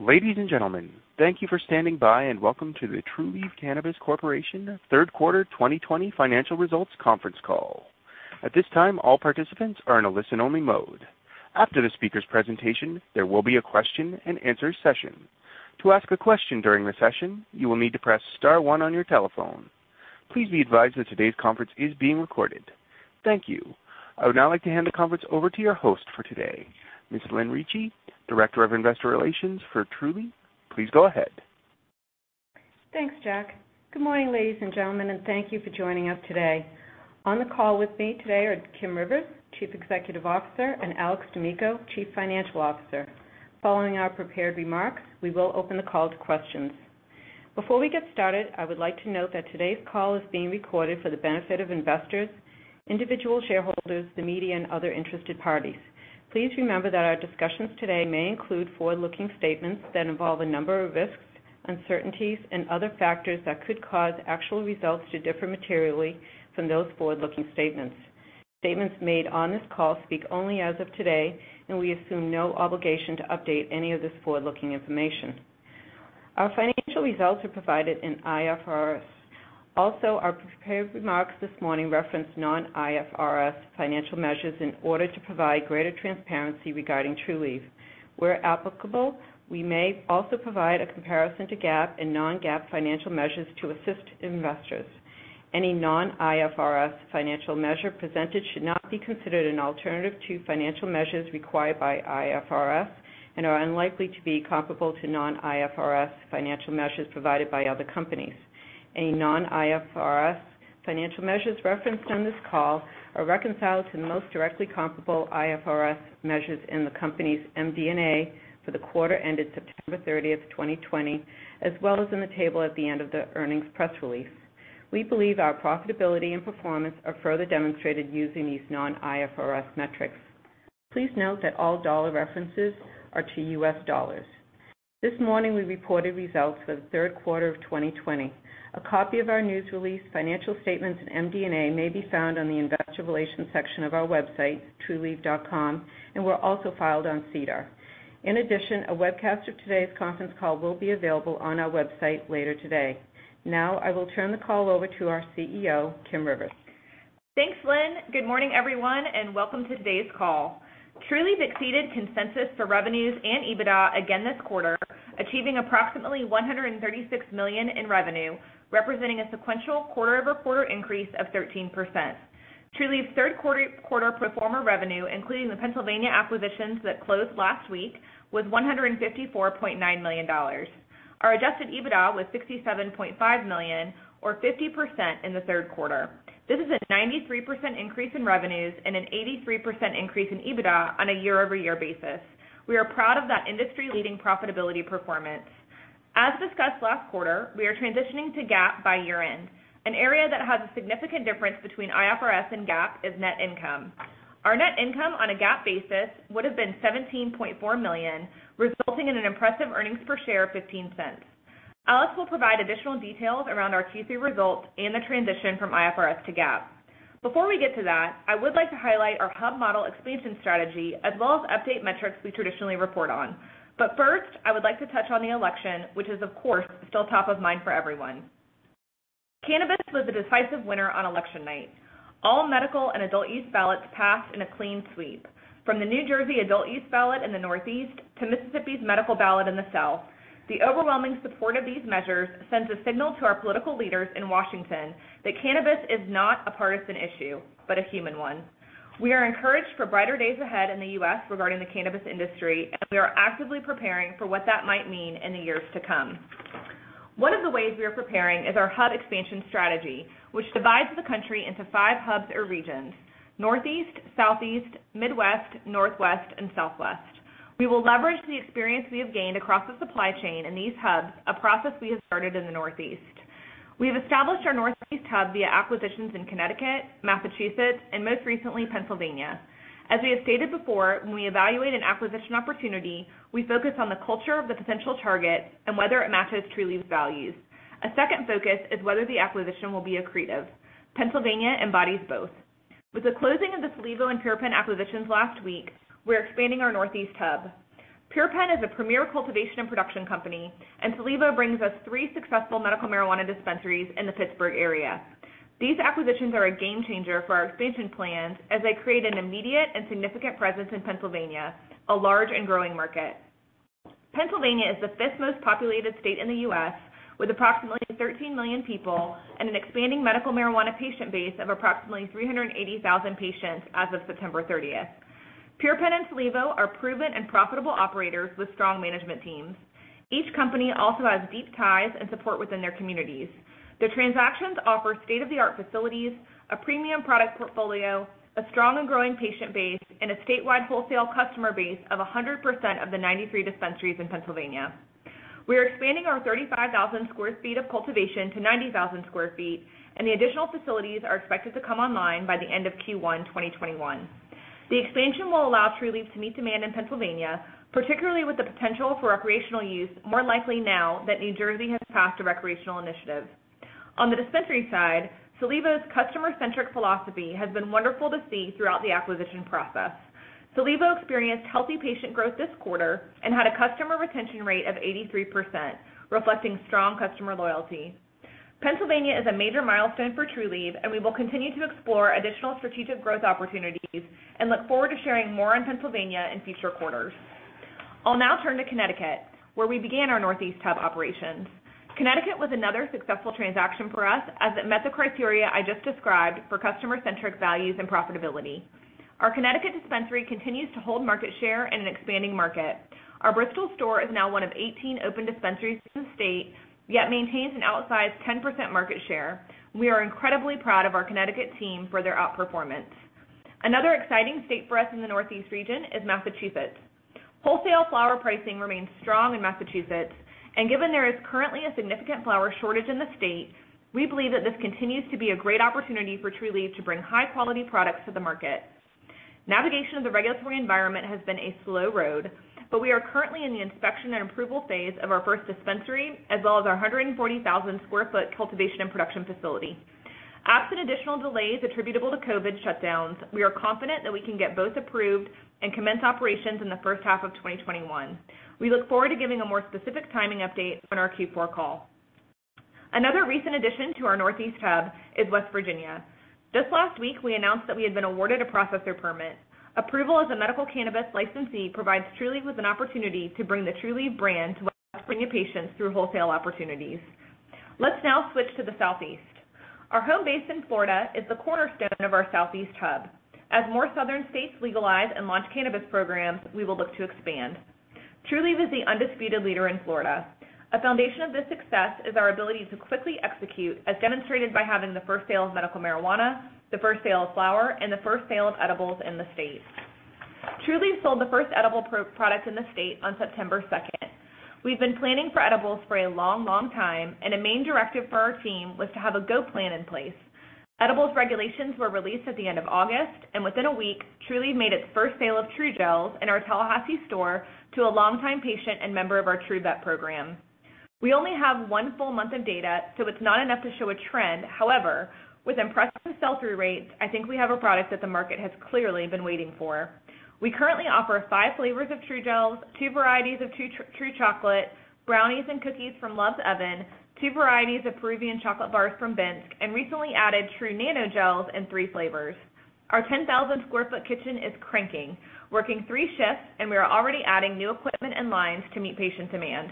Ladies and gentlemen, thank you for standing by, and welcome to the Trulieve Cannabis Corporation Third Quarter 2020 Financial Results Conference Call. At this time, all participants are in a listen-only mode. After the speaker's presentation, there will be a question-and-answer session. To ask a question during the session, you will need to press star one on your telephone. Please be advised that today's conference is being recorded. Thank you. I would now like to hand the conference over to your host for today, Ms. Lynn Ricci, Director of Investor Relations for Trulieve. Please go ahead. Thanks, Jack. Good morning, ladies and gentlemen, and thank you for joining us today. On the call with me today are Kim Rivers, Chief Executive Officer, and Alex D'Amico, Chief Financial Officer. Following our prepared remarks, we will open the call to questions. Before we get started, I would like to note that today's call is being recorded for the benefit of investors, individual shareholders, the media, and other interested parties. Please remember that our discussions today may include forward-looking statements that involve a number of risks, uncertainties, and other factors that could cause actual results to differ materially from those forward-looking statements. Statements made on this call speak only as of today, and we assume no obligation to update any of this forward-looking information. Our financial results are provided in IFRS. Also, our prepared remarks this morning reference non-IFRS financial measures in order to provide greater transparency regarding Trulieve. Where applicable, we may also provide a comparison to GAAP and non-GAAP financial measures to assist investors. Any non-IFRS financial measure presented should not be considered an alternative to financial measures required by IFRS and are unlikely to be comparable to non-IFRS financial measures provided by other companies. Any non-IFRS financial measures referenced on this call are reconciled to the most directly comparable IFRS measures in the company's MD&A for the quarter ended September 30th, 2020, as well as in the table at the end of the earnings press release. We believe our profitability and performance are further demonstrated using these non-IFRS metrics. Please note that all dollar references are to U.S. dollars. This morning, we reported results for the third quarter of 2020. A copy of our news release, financial statements, and MD&A may be found on the investor relations section of our website, trulieve.com, and were also filed on SEDAR. In addition, a webcast of today's conference call will be available on our website later today. Now, I will turn the call over to our CEO, Kim Rivers. Thanks, Lynn. Good morning, everyone, and welcome to today's call. Trulieve exceeded consensus for revenues and EBITDA again this quarter, achieving approximately $136 million in revenue, representing a sequential quarter-over-quarter increase of 13%. Trulieve's third quarter pro forma revenue, including the Pennsylvania acquisitions that closed last week, was $154.9 million. Our adjusted EBITDA was $67.5 million, or 50% in the third quarter. This is a 93% increase in revenues and an 83% increase in EBITDA on a year-over-year basis. We are proud of that industry-leading profitability performance. As discussed last quarter, we are transitioning to GAAP by year-end. An area that has a significant difference between IFRS and GAAP is net income. Our net income on a GAAP basis would have been $17.4 million, resulting in an impressive earnings per share of $0.15. Alex will provide additional details around our Q3 results and the transition from IFRS to GAAP. Before we get to that, I would like to highlight our hub model expansion strategy as well as update metrics we traditionally report on. First, I would like to touch on the election, which is, of course, still top of mind for everyone. Cannabis was a decisive winner on election night. All medical and adult-use ballots passed in a clean sweep. From the New Jersey adult-use ballot in the Northeast to Mississippi's medical ballot in the South, the overwhelming support of these measures sends a signal to our political leaders in Washington that cannabis is not a partisan issue, but a human one. We are encouraged for brighter days ahead in the U.S. regarding the cannabis industry, and we are actively preparing for what that might mean in the years to come. One of the ways we are preparing is our hub expansion strategy, which divides the country into five hubs or regions, Northeast, Southeast, Midwest, Northwest, and Southwest. We will leverage the experience we have gained across the supply chain in these hubs, a process we have started in the Northeast. We have established our Northeast hub via acquisitions in Connecticut, Massachusetts, and most recently, Pennsylvania. As we have stated before, when we evaluate an acquisition opportunity, we focus on the culture of the potential target and whether it matches Trulieve's values. A second focus is whether the acquisition will be accretive. Pennsylvania embodies both. With the closing of the Solevo and PurePenn acquisitions last week, we're expanding our Northeast hub. PurePenn is a premier cultivation and production company, and Solevo brings us three successful medical marijuana dispensaries in the Pittsburgh area. These acquisitions are a game changer for our expansion plans as they create an immediate and significant presence in Pennsylvania, a large and growing market. Pennsylvania is the fifth most populated state in the U.S., with approximately 13 million people and an expanding medical marijuana patient base of approximately 380,000 patients as of September 30th. PurePenn and Solevo are proven and profitable operators with strong management teams. Each company also has deep ties and support within their communities. The transactions offer state-of-the-art facilities, a premium product portfolio, a strong and growing patient base, and a statewide wholesale customer base of 100% of the 93 dispensaries in Pennsylvania. We are expanding our 35,000 sq ft of cultivation to 90,000 sq ft, and the additional facilities are expected to come online by the end of Q1 2021. The expansion will allow Trulieve to meet demand in Pennsylvania, particularly with the potential for recreational use more likely now that New Jersey has passed a recreational initiative. On the dispensary side, Solevo's customer-centric philosophy has been wonderful to see throughout the acquisition process. Solevo experienced healthy patient growth this quarter and had a customer retention rate of 83%, reflecting strong customer loyalty. Pennsylvania is a major milestone for Trulieve, and we will continue to explore additional strategic growth opportunities and look forward to sharing more on Pennsylvania in future quarters. I'll now turn to Connecticut, where we began our Northeast hub operations. Connecticut was another successful transaction for us as it met the criteria I just described for customer-centric values and profitability. Our Connecticut dispensary continues to hold market share in an expanding market. Our Bristol store is now one of 18 open dispensaries in the state, yet maintains an outsized 10% market share. We are incredibly proud of our Connecticut team for their outperformance. Another exciting state for us in the Northeast region is Massachusetts. Wholesale flower pricing remains strong in Massachusetts, and given there is currently a significant flower shortage in the state, we believe that this continues to be a great opportunity for Trulieve to bring high-quality products to the market. Navigation of the regulatory environment has been a slow road, but we are currently in the inspection and approval phase of our first dispensary, as well as our 140,000 sq ft cultivation and production facility. Absent additional delays attributable to COVID shutdowns, we are confident that we can get both approved and commence operations in the first half of 2021. We look forward to giving a more specific timing update on our Q4 call. Another recent addition to our Northeast hub is West Virginia. Just last week, we announced that we had been awarded a processor permit. Approval as a medical cannabis licensee provides Trulieve with an opportunity to bring the Trulieve brand to West Virginia patients through wholesale opportunities. Let's now switch to the Southeast. Our home base in Florida is the cornerstone of our Southeast hub. As more southern states legalize and launch cannabis programs, we will look to expand. Trulieve is the undisputed leader in Florida. A foundation of this success is our ability to quickly execute, as demonstrated by having the first sale of medical marijuana, the first sale of flower, and the first sale of edibles in the state. Trulieve sold the first edible product in the state on September second. We've been planning for edibles for a long time, and a main directive for our team was to have a go plan in place. Edibles regulations were released at the end of August, and within a week, Trulieve made its first sale of TruGels in our Tallahassee store to a longtime patient and member of our TruVet program. We only have one full month of data, so it's not enough to show a trend. However, with impressive sell-through rates, I think we have a product that the market has clearly been waiting for. We currently offer five flavors of TruGels, two varieties of TruChocolate, brownies and cookies from Love's Oven, two varieties of Peruvian chocolate bars from Binske, and recently added TruNanoGels in three flavors. Our 10,000 sq ft kitchen is cranking, working three shifts, and we are already adding new equipment and lines to meet patient demand.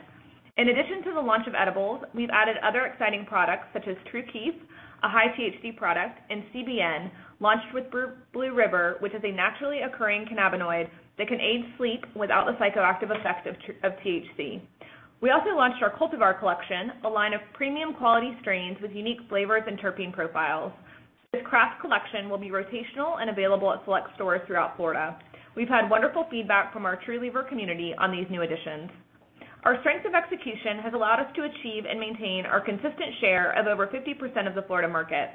In addition to the launch of edibles, we've added other exciting products such as TruKief, a high-THC product, and CBN, launched with Blue River, which is a naturally occurring cannabinoid that can aid sleep without the psychoactive effect of THC. We also launched our Cultivar Collection, a line of premium-quality strains with unique flavors and terpene profiles. This craft collection will be rotational and available at select stores throughout Florida. We've had wonderful feedback from our Truliever community on these new additions. Our strength of execution has allowed us to achieve and maintain our consistent share of over 50% of the Florida market.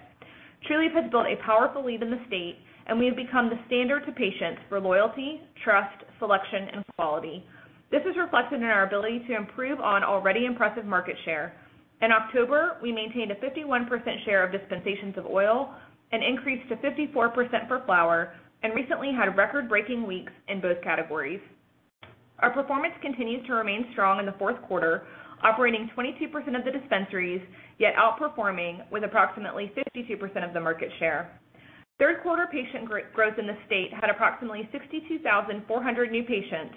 Trulieve has built a powerful lead in the state, and we have become the standard to patients for loyalty, trust, selection, and quality. This is reflected in our ability to improve on already impressive market share. In October, we maintained a 51% share of dispensations of oil, an increase to 54% for flower, and recently had record-breaking weeks in both categories. Our performance continues to remain strong in the fourth quarter, operating 22% of the dispensaries, yet outperforming with approximately 52% of the market share. Third quarter patient growth in the state had approximately 62,400 new patients,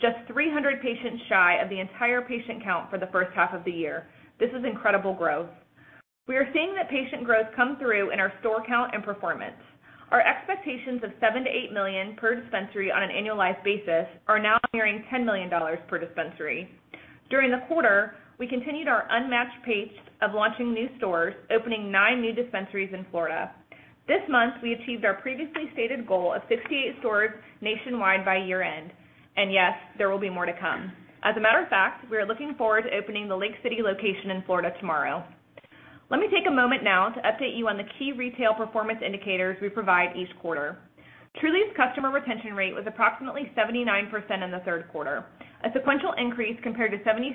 just 300 patients shy of the entire patient count for the first half of the year. This is incredible growth. We are seeing that patient growth come through in our store count and performance. Our expectations of $7 million-$8 million per dispensary on an annualized basis are now nearing $10 million per dispensary. During the quarter, we continued our unmatched pace of launching new stores, opening nine new dispensaries in Florida. This month, we achieved our previously stated goal of 68 stores nationwide by year-end. Yes, there will be more to come. As a matter of fact, we are looking forward to opening the Lake City location in Florida tomorrow. Let me take a moment now to update you on the key retail performance indicators we provide each quarter. Trulieve's customer retention rate was approximately 79% in the third quarter, a sequential increase compared to 76%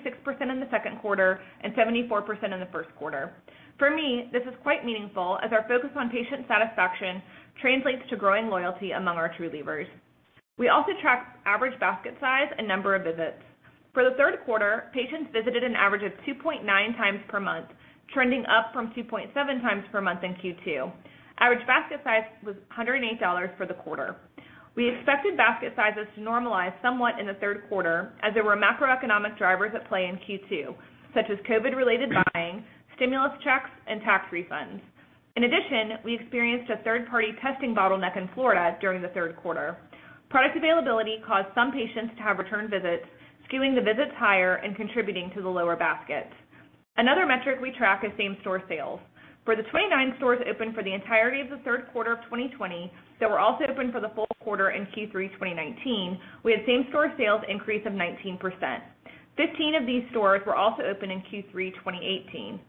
in the second quarter and 74% in the first quarter. For me, this is quite meaningful, as our focus on patient satisfaction translates to growing loyalty among our Trulievers. We also track average basket size and number of visits. For the third quarter, patients visited an average of 2.9 times per month, trending up from 2.7 times per month in Q2. Average basket size was $108 for the quarter. We expected basket sizes to normalize somewhat in the third quarter, as there were macroeconomic drivers at play in Q2, such as COVID-related buying, stimulus checks, and tax refunds. In addition, we experienced a third-party testing bottleneck in Florida during the third quarter. Product availability caused some patients to have return visits, skewing the visits higher and contributing to the lower basket. Another metric we track is same-store sales. For the 29 stores open for the entirety of the third quarter of 2020 that were also open for the full quarter in Q3 2019, we had same-store sales increase of 19%. 15 of these stores were also open in Q3 2018.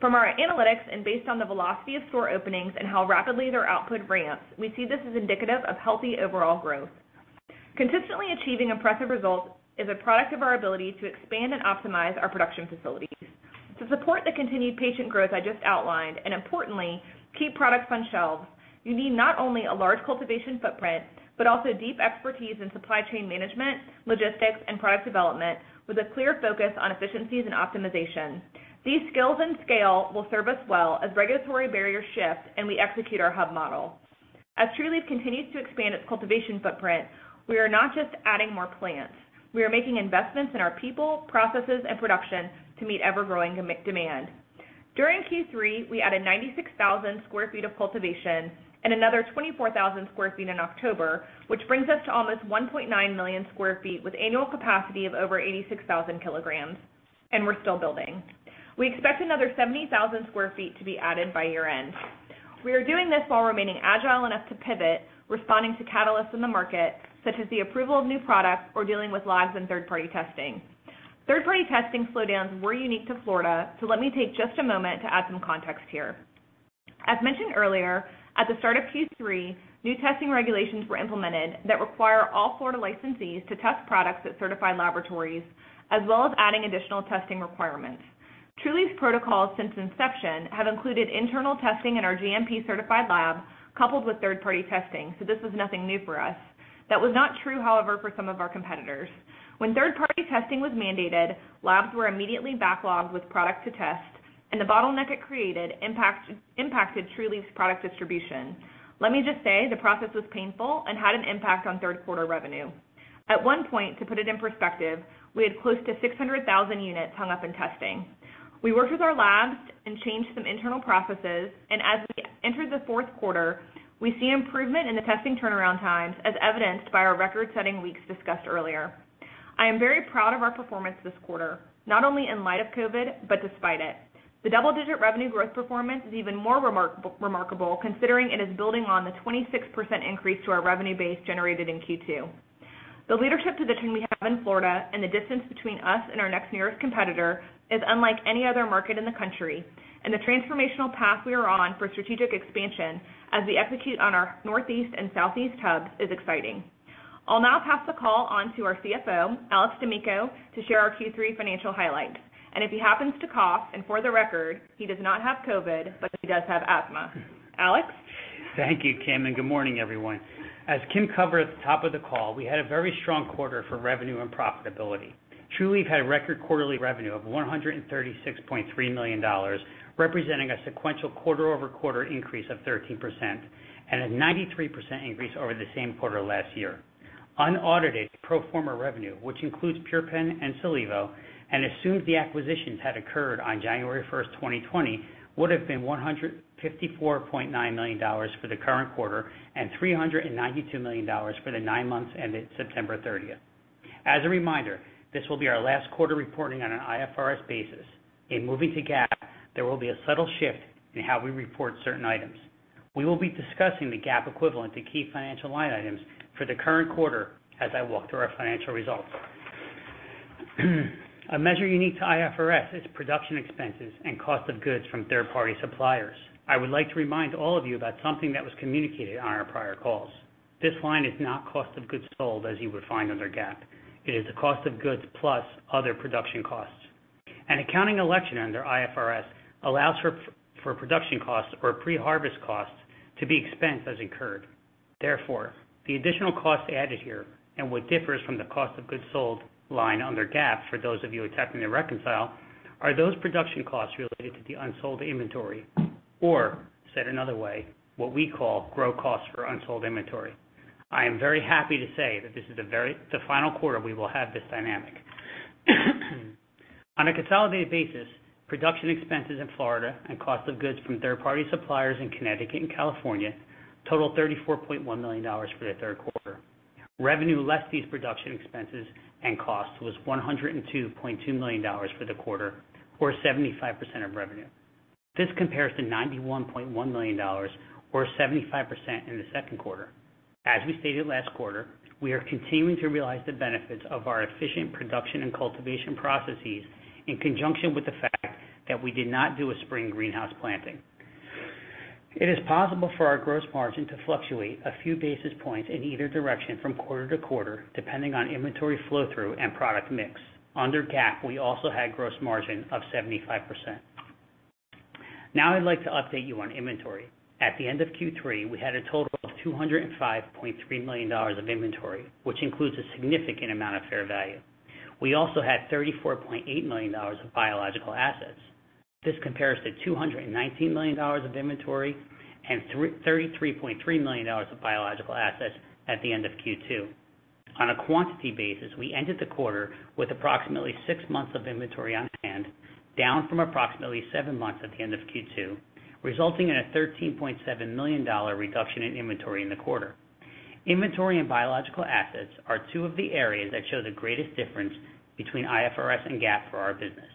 From our analytics and based on the velocity of store openings and how rapidly their output ramps, we see this as indicative of healthy overall growth. Consistently achieving impressive results is a product of our ability to expand and optimize our production facilities. To support the continued patient growth I just outlined, and importantly, keep products on shelves, you need not only a large cultivation footprint, but also deep expertise in supply chain management, logistics, and product development with a clear focus on efficiencies and optimization. These skills and scale will serve us well as regulatory barriers shift and we execute our hub model. As Trulieve continues to expand its cultivation footprint, we are not just adding more plants. We are making investments in our people, processes, and production to meet ever-growing demand. During Q3, we added 96,000 sq ft of cultivation and another 24,000 sq ft in October, which brings us to almost 1.9 million sq ft with annual capacity of over 86,000 kg. We're still building. We expect another 70,000 sq ft to be added by year-end. We are doing this while remaining agile enough to pivot, responding to catalysts in the market, such as the approval of new products or dealing with lags in third-party testing. Third-party testing slowdowns were unique to Florida. Let me take just a moment to add some context here. As mentioned earlier, at the start of Q3, new testing regulations were implemented that require all Florida licensees to test products at certified laboratories, as well as adding additional testing requirements. Trulieve's protocols since inception have included internal testing in our GMP-certified lab, coupled with third-party testing. This was nothing new for us. That was not true, however, for some of our competitors. When third-party testing was mandated, labs were immediately backlogged with product to test, and the bottleneck it created impacted Trulieve's product distribution. Let me just say the process was painful and had an impact on third quarter revenue. At one point, to put it in perspective, we had close to 600,000 units hung up in testing. We worked with our labs and changed some internal processes, and as we entered the fourth quarter, we see improvement in the testing turnaround times, as evidenced by our record-setting weeks discussed earlier. I am very proud of our performance this quarter, not only in light of COVID, but despite it. The double-digit revenue growth performance is even more remarkable considering it is building on the 26% increase to our revenue base generated in Q2. The leadership position we have in Florida and the distance between us and our next nearest competitor is unlike any other market in the country. The transformational path we are on for strategic expansion as we execute on our Northeast and Southeast hubs is exciting. I'll now pass the call on to our CFO, Alex D'Amico, to share our Q3 financial highlights. If he happens to cough, and for the record, he does not have COVID, but he does have asthma. Alex? Thank you, Kim, and good morning, everyone. As Kim covered at the top of the call, we had a very strong quarter for revenue and profitability. Trulieve had record quarterly revenue of $136.3 million, representing a sequential quarter-over-quarter increase of 13% and a 93% increase over the same quarter last year. Unaudited pro forma revenue, which includes PurePenn and Solevo, and assumes the acquisitions had occurred on January first, 2020, would have been $154.9 million for the current quarter and $392 million for the nine months ended September 30th. As a reminder, this will be our last quarter reporting on an IFRS basis. In moving to GAAP, there will be a subtle shift in how we report certain items. We will be discussing the GAAP equivalent to key financial line items for the current quarter as I walk through our financial results. A measure unique to IFRS is production expenses and cost of goods from third-party suppliers. I would like to remind all of you about something that was communicated on our prior calls. This line is not cost of goods sold as you would find under GAAP. It is the cost of goods plus other production costs. An accounting election under IFRS allows for production costs or pre-harvest costs to be expensed as incurred. Therefore, the additional cost added here, and what differs from the cost of goods sold line under GAAP, for those of you attempting to reconcile, are those production costs related to the unsold inventory, or said another way, what we call grow costs for unsold inventory. I am very happy to say that this is the final quarter we will have this dynamic. On a consolidated basis, production expenses in Florida and cost of goods from third-party suppliers in Connecticut and California totaled $34.1 million for the third quarter. Revenue less these production expenses and costs was $102.2 million for the quarter, or 75% of revenue. This compares to $91.1 million, or 75%, in the second quarter. As we stated last quarter, we are continuing to realize the benefits of our efficient production and cultivation processes in conjunction with the fact that we did not do a spring greenhouse planting. It is possible for our gross margin to fluctuate a few basis points in either direction from quarter to quarter, depending on inventory flow-through and product mix. Under GAAP, we also had gross margin of 75%. Now I'd like to update you on inventory. At the end of Q3, we had a total of $205.3 million of inventory, which includes a significant amount of fair value. We also had $34.8 million of biological assets. This compares to $219 million of inventory and $33.3 million of biological assets at the end of Q2. On a quantity basis, we ended the quarter with approximately six months of inventory on hand, down from approximately seven months at the end of Q2, resulting in a $13.7 million reduction in inventory in the quarter. Inventory and biological assets are two of the areas that show the greatest difference between IFRS and GAAP for our business.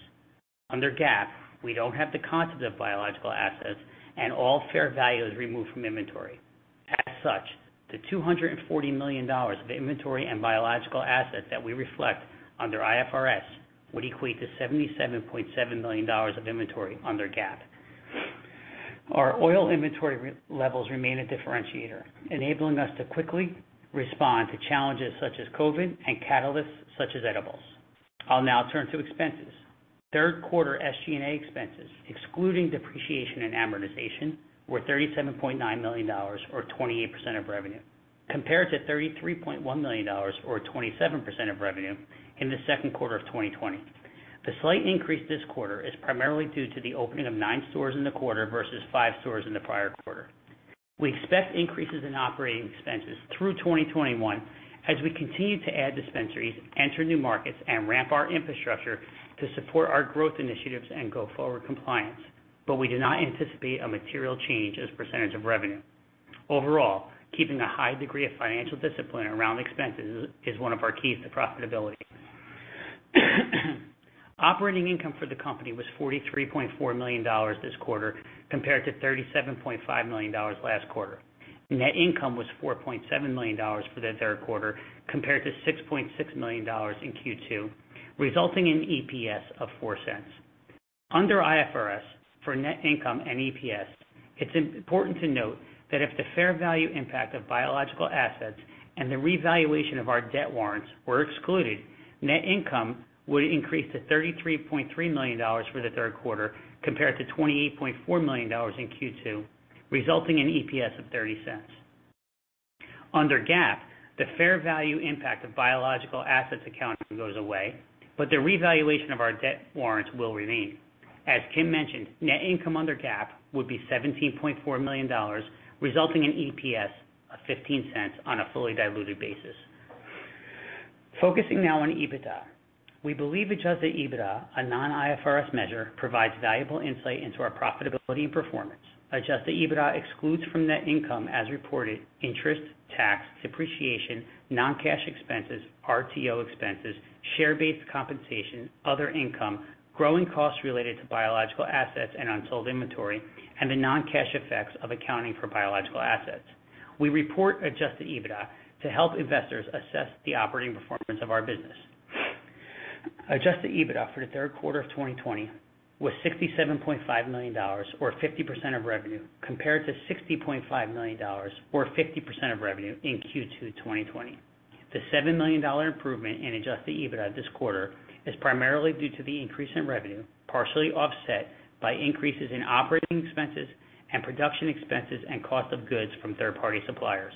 Under GAAP, we don't have the concept of biological assets and all fair value is removed from inventory. As such, the $240 million of inventory and bio-assets that we reflect under IFRS would equate to $77.7 million of inventory under GAAP. Our oil inventory levels remain a differentiator, enabling us to quickly respond to challenges such as COVID and catalysts such as edibles. I'll now turn to expenses. Third quarter SG&A expenses, excluding depreciation and amortization, were $37.9 million or 28% of revenue, compared to $33.1 million, or 27% of revenue in the second quarter of 2020. The slight increase this quarter is primarily due to the opening of nine stores in the quarter versus five stores in the prior quarter. We expect increases in operating expenses through 2021 as we continue to add dispensaries, enter new markets, and ramp our infrastructure to support our growth initiatives and go-forward compliance, but we do not anticipate a material change as a percentage of revenue. Overall, keeping a high degree of financial discipline around expenses is one of our keys to profitability. Operating income for the company was $43.4 million this quarter, compared to $37.5 million last quarter. Net income was $4.7 million for the third quarter, compared to $6.6 million in Q2, resulting in EPS of $0.04. Under IFRS, for net income and EPS, it's important to note that if the fair value impact of biological assets and the revaluation of our debt warrants were excluded, net income would increase to $33.3 million for the third quarter, compared to $28.4 million in Q2, resulting in EPS of $0.30. Under GAAP, the fair value impact of biological assets accounted for goes away, but the revaluation of our debt warrants will remain. As Kim mentioned, net income under GAAP would be $17.4 million, resulting in EPS of $0.15 on a fully diluted basis. Focusing now on EBITDA. We believe adjusted EBITDA, a non-IFRS measure, provides valuable insight into our profitability and performance. Adjusted EBITDA excludes from net income as reported interest, tax, depreciation, non-cash expenses, RTO expenses, share-based compensation, other income, growing costs related to biological assets and unsold inventory, and the non-cash effects of accounting for biological assets. We report adjusted EBITDA to help investors assess the operating performance of our business. Adjusted EBITDA for the third quarter of 2020 was $67.5 million or 50% of revenue, compared to $60.5 million or 50% of revenue in Q2 2020. The $7 million improvement in adjusted EBITDA this quarter is primarily due to the increase in revenue, partially offset by increases in operating expenses and production expenses and cost of goods from third-party suppliers.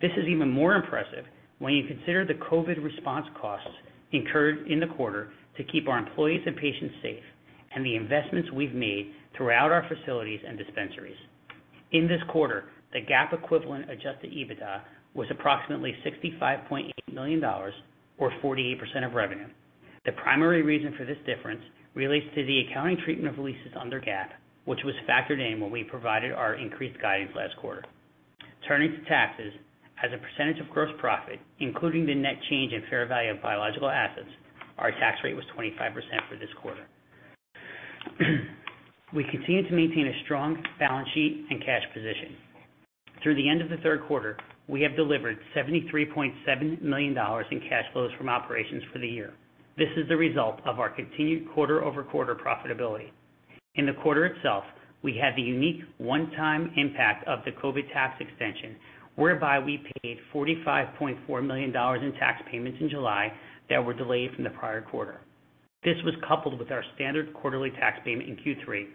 This is even more impressive when you consider the COVID response costs incurred in the quarter to keep our employees and patients safe, and the investments we've made throughout our facilities and dispensaries. In this quarter, the GAAP equivalent adjusted EBITDA was approximately $65.8 million, or 48% of revenue. The primary reason for this difference relates to the accounting treatment of leases under GAAP, which was factored in when we provided our increased guidance last quarter. Turning to taxes. As a percentage of gross profit, including the net change in fair value of biological assets, our tax rate was 25% for this quarter. We continue to maintain a strong balance sheet and cash position. Through the end of the third quarter, we have delivered $73.7 million in cash flows from operations for the year. This is the result of our continued quarter-over-quarter profitability. In the quarter itself, we had the unique one-time impact of the COVID tax extension, whereby we paid $45.4 million in tax payments in July that were delayed from the prior quarter. This was coupled with our standard quarterly tax payment in Q3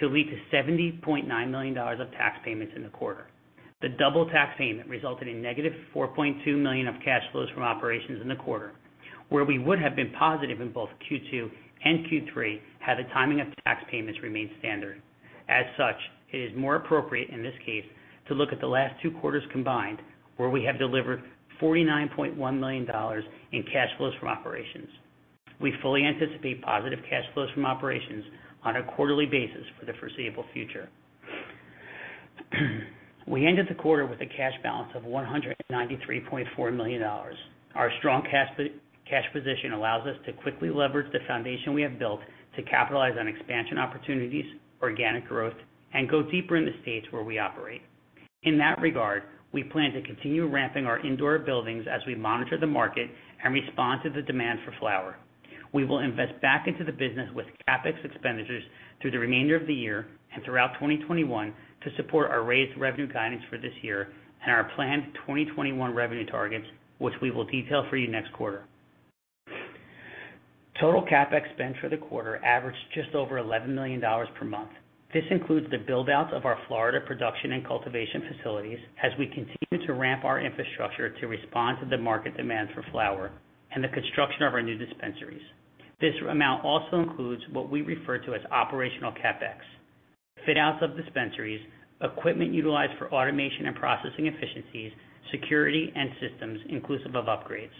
to lead to $70.9 million of tax payments in the quarter. The double tax payment resulted in -$4.2 million of cash flows from operations in the quarter, where we would have been positive in both Q2 and Q3 had the timing of tax payments remained standard. As such, it is more appropriate in this case to look at the last two quarters combined, where we have delivered $49.1 million in cash flows from operations. We fully anticipate positive cash flows from operations on a quarterly basis for the foreseeable future. We ended the quarter with a cash balance of $193.4 million. Our strong cash position allows us to quickly leverage the foundation we have built to capitalize on expansion opportunities, organic growth, and go deeper in the states where we operate. In that regard, we plan to continue ramping our indoor buildings as we monitor the market and respond to the demand for flower. We will invest back into the business with CapEx expenditures through the remainder of the year and throughout 2021 to support our raised revenue guidance for this year and our planned 2021 revenue targets, which we will detail for you next quarter. Total CapEx spend for the quarter averaged just over $11 million per month. This includes the build-outs of our Florida production and cultivation facilities as we continue to ramp our infrastructure to respond to the market demand for flower and the construction of our new dispensaries. This amount also includes what we refer to as operational CapEx. Fit-outs of dispensaries, equipment utilized for automation and processing efficiencies, security, and systems inclusive of upgrades.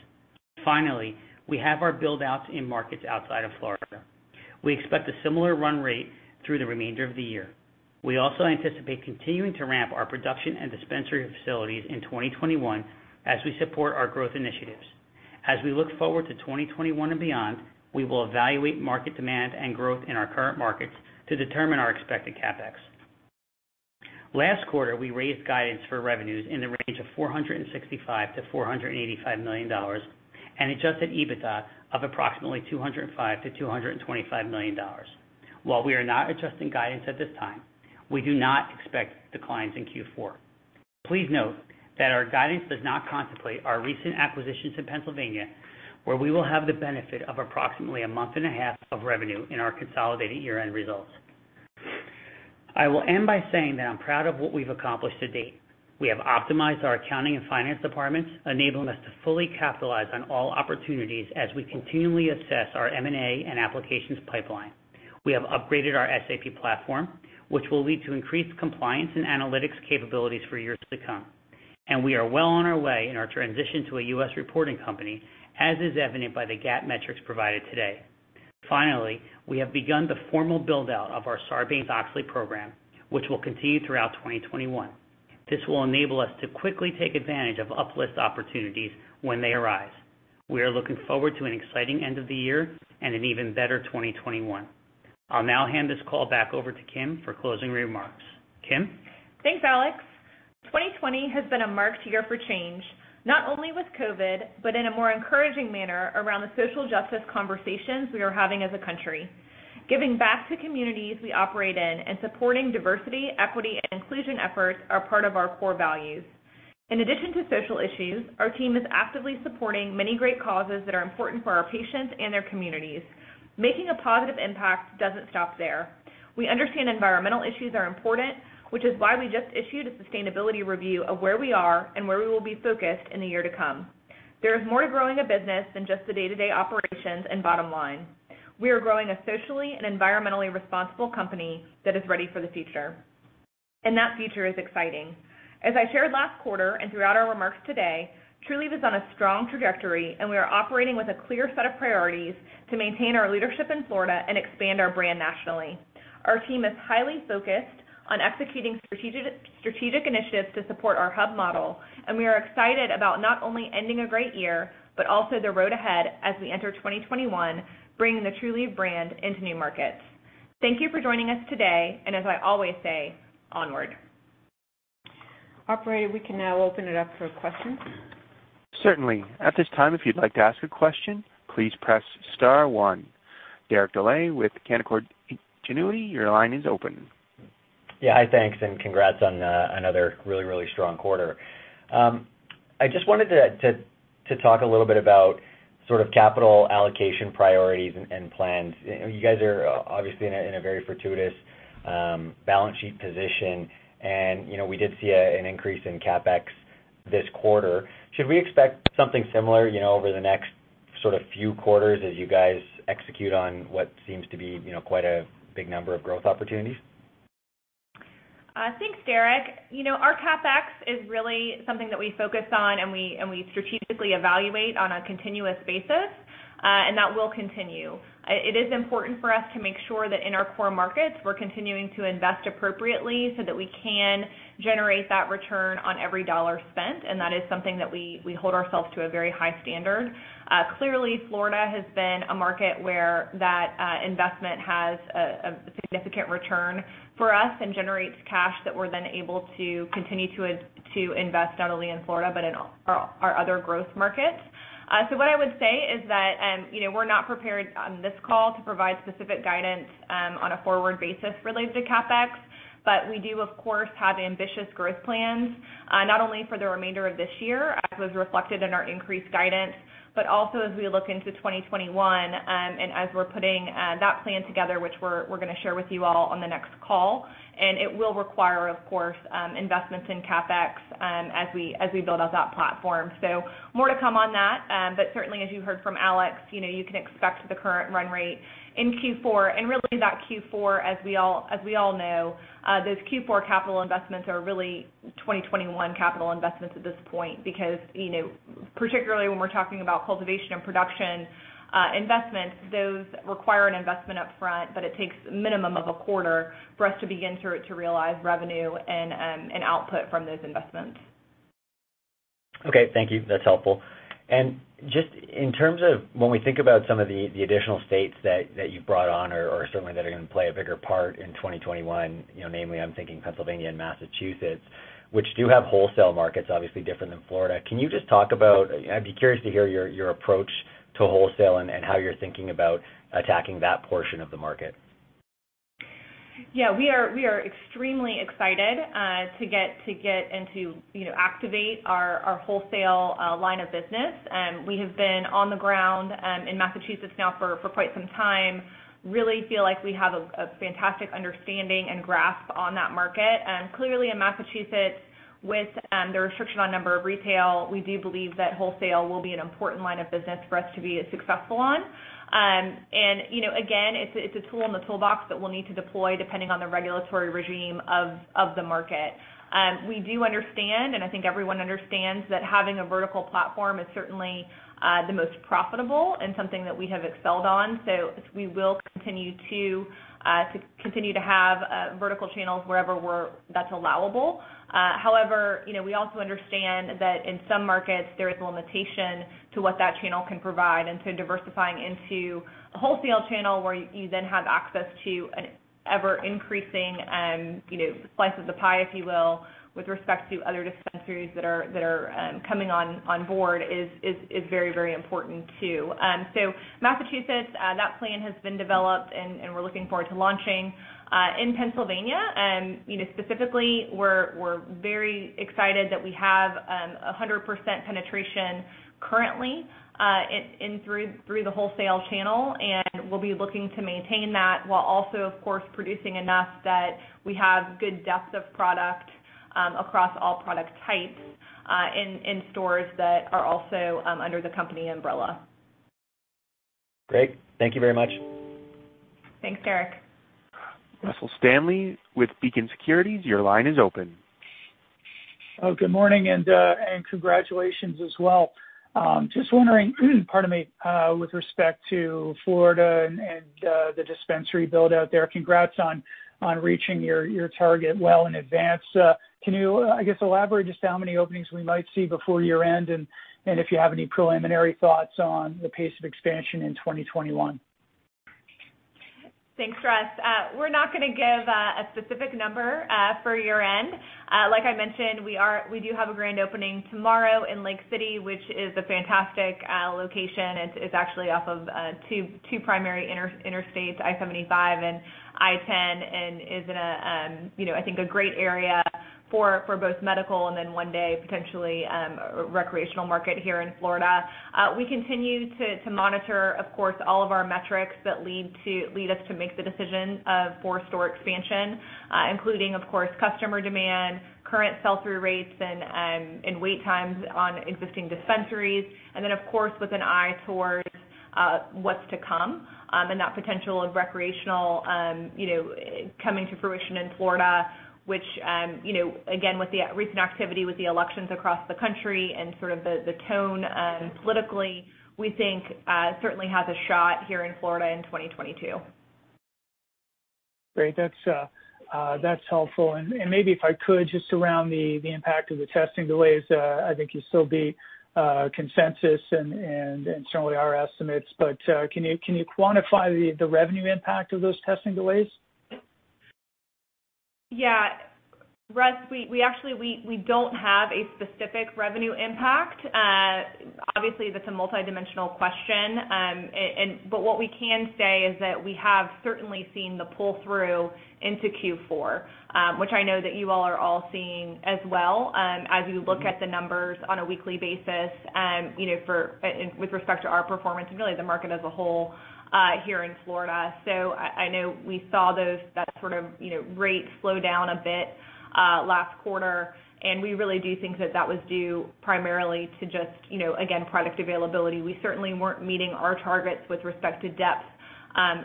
Finally, we have our build-outs in markets outside of Florida. We expect a similar run rate through the remainder of the year. We also anticipate continuing to ramp our production and dispensary facilities in 2021 as we support our growth initiatives. As we look forward to 2021 and beyond, we will evaluate market demand and growth in our current markets to determine our expected CapEx. Last quarter, we raised guidance for revenues in the range of $465 million-$485 million, and adjusted EBITDA of approximately $205 million-$225 million. While we are not adjusting guidance at this time, we do not expect declines in Q4. Please note that our guidance does not contemplate our recent acquisitions in Pennsylvania, where we will have the benefit of approximately a month and a half of revenue in our consolidated year-end results. I will end by saying that I'm proud of what we've accomplished to date. We have optimized our accounting and finance departments, enabling us to fully capitalize on all opportunities as we continually assess our M&A and applications pipeline. We have upgraded our SAP platform, which will lead to increased compliance and analytics capabilities for years to come, and we are well on our way in our transition to a US reporting company, as is evident by the GAAP metrics provided today. Finally, we have begun the formal build-out of our Sarbanes-Oxley program, which will continue throughout 2021. This will enable us to quickly take advantage of up-list opportunities when they arise. We are looking forward to an exciting end of the year and an even better 2021. I'll now hand this call back over to Kim for closing remarks. Kim? Thanks, Alex. 2020 has been a marked year for change, not only with COVID, but in a more encouraging manner around the social justice conversations we are having as a country. Giving back to communities we operate in and supporting diversity, equity, and inclusion efforts are part of our core values. In addition to social issues, our team is actively supporting many great causes that are important for our patients and their communities. Making a positive impact doesn't stop there. We understand environmental issues are important, which is why we just issued a sustainability review of where we are and where we will be focused in the year to come. There is more to growing a business than just the day-to-day operations and bottom line. We are growing a socially and environmentally responsible company that is ready for the future. That future is exciting. As I shared last quarter and throughout our remarks today, Trulieve is on a strong trajectory, and we are operating with a clear set of priorities to maintain our leadership in Florida and expand our brand nationally. Our team is highly focused on executing strategic initiatives to support our hub model, and we are excited about not only ending a great year, but also the road ahead as we enter 2021, bringing the Trulieve brand into new markets. Thank you for joining us today, and as I always say, onward. Operator, we can now open it up for questions. Certainly. At this time, if you'd like to ask a question, please press star one. Derek Dley with Canaccord Genuity, your line is open. Yeah. Hi, thanks. Congrats on another really, really strong quarter. I just wanted to talk a little bit about capital allocation priorities and plans. You guys are obviously in a very fortuitous balance sheet position, and we did see an increase in CapEx this quarter. Should we expect something similar over the next few quarters as you guys execute on what seems to be quite a big number of growth opportunities? Thanks, Derek. Our CapEx is really something that we focus on, and we strategically evaluate on a continuous basis. That will continue. It is important for us to make sure that in our core markets, we're continuing to invest appropriately so that we can generate that return on every dollar spent, and that is something that we hold ourselves to a very high standard. Clearly, Florida has been a market where that investment has a significant return for us and generates cash that we're then able to continue to invest, not only in Florida, but in our other growth markets. What I would say is that, we're not prepared on this call to provide specific guidance on a forward basis related to CapEx, but we do, of course, have ambitious growth plans, not only for the remainder of this year as was reflected in our increased guidance, but also as we look into 2021. As we're putting that plan together, which we're going to share with you all on the next call. It will require, of course, investments in CapEx, as we build out that platform. More to come on that. Certainly, as you heard from Alex, you can expect the current run rate in Q4. Really that Q4, as we all know, those Q4 capital investments are really 2021 capital investments at this point because, particularly when we're talking about cultivation and production, investments, those require an investment up front, but it takes a minimum of a quarter for us to begin to realize revenue and output from those investments. Okay. Thank you. That's helpful. Just in terms of when we think about some of the additional states that you've brought on, or certainly that are going to play a bigger part in 2021, namely, I'm thinking Pennsylvania and Massachusetts, which do have wholesale markets, obviously different than Florida. Can you just talk about I'd be curious to hear your approach to wholesale and how you're thinking about attacking that portion of the market. Yeah, we are extremely excited to get and to activate our wholesale line of business. We have been on the ground in Massachusetts now for quite some time. Really feel like we have a fantastic understanding and grasp on that market. In Massachusetts with the restriction on number of retail, we do believe that wholesale will be an important line of business for us to be successful on. Again, it's a tool in the toolbox that we'll need to deploy depending on the regulatory regime of the market. We do understand and I think everyone understands that having a vertical platform is certainly the most profitable and something that we have excelled on. We will continue to have vertical channels wherever that's allowable. However, we also understand that in some markets there is a limitation to what that channel can provide. Diversifying into a wholesale channel where you then have access to an ever-increasing slice of the pie, if you will, with respect to other dispensaries that are coming on board is very, very important too. Massachusetts, that plan has been developed, and we're looking forward to launching. In Pennsylvania, specifically, we're very excited that we have 100% penetration currently in through the wholesale channel, and we'll be looking to maintain that while also, of course, producing enough that we have good depth of product across all product types in stores that are also under the company umbrella. Great. Thank you very much. Thanks, Derek. Russell Stanley with Beacon Securities, your line is open. Good morning, and congratulations as well. Just wondering pardon me, with respect to Florida and the dispensary build-out there. Congrats on reaching your target well in advance. Can you, I guess, elaborate just how many openings we might see before year-end, and if you have any preliminary thoughts on the pace of expansion in 2021? Thanks, Russ. We're not going to give a specific number for year-end. Like I mentioned, we do have a grand opening tomorrow in Lake City, which is a fantastic location. It's actually off of two primary interstates, I-75 and I-10, and is I think a great area for both medical and then one day potentially recreational market here in Florida. We continue to monitor, of course, all of our metrics that lead us to make the decision for store expansion, including, of course, customer demand, current sell-through rates, and wait times on existing dispensaries. Then, of course, with an eye towards what's to come, and that potential of recreational coming to fruition in Florida, which again, with the recent activity with the elections across the country and the tone politically, we think certainly has a shot here in Florida in 2022. Great. That's helpful. Maybe if I could, just around the impact of the testing delays, I think you still beat consensus and certainly our estimates, but can you quantify the revenue impact of those testing delays? Yeah. Russ, we don't have a specific revenue impact. Obviously, that's a multidimensional question. What we can say is that we have certainly seen the pull-through into Q4, which I know that you all are all seeing as well as you look at the numbers on a weekly basis with respect to our performance and really the market as a whole here in Florida. I know we saw that rate slow down a bit last quarter, and we really do think that that was due primarily to just, again, product availability. We certainly weren't meeting our targets with respect to depth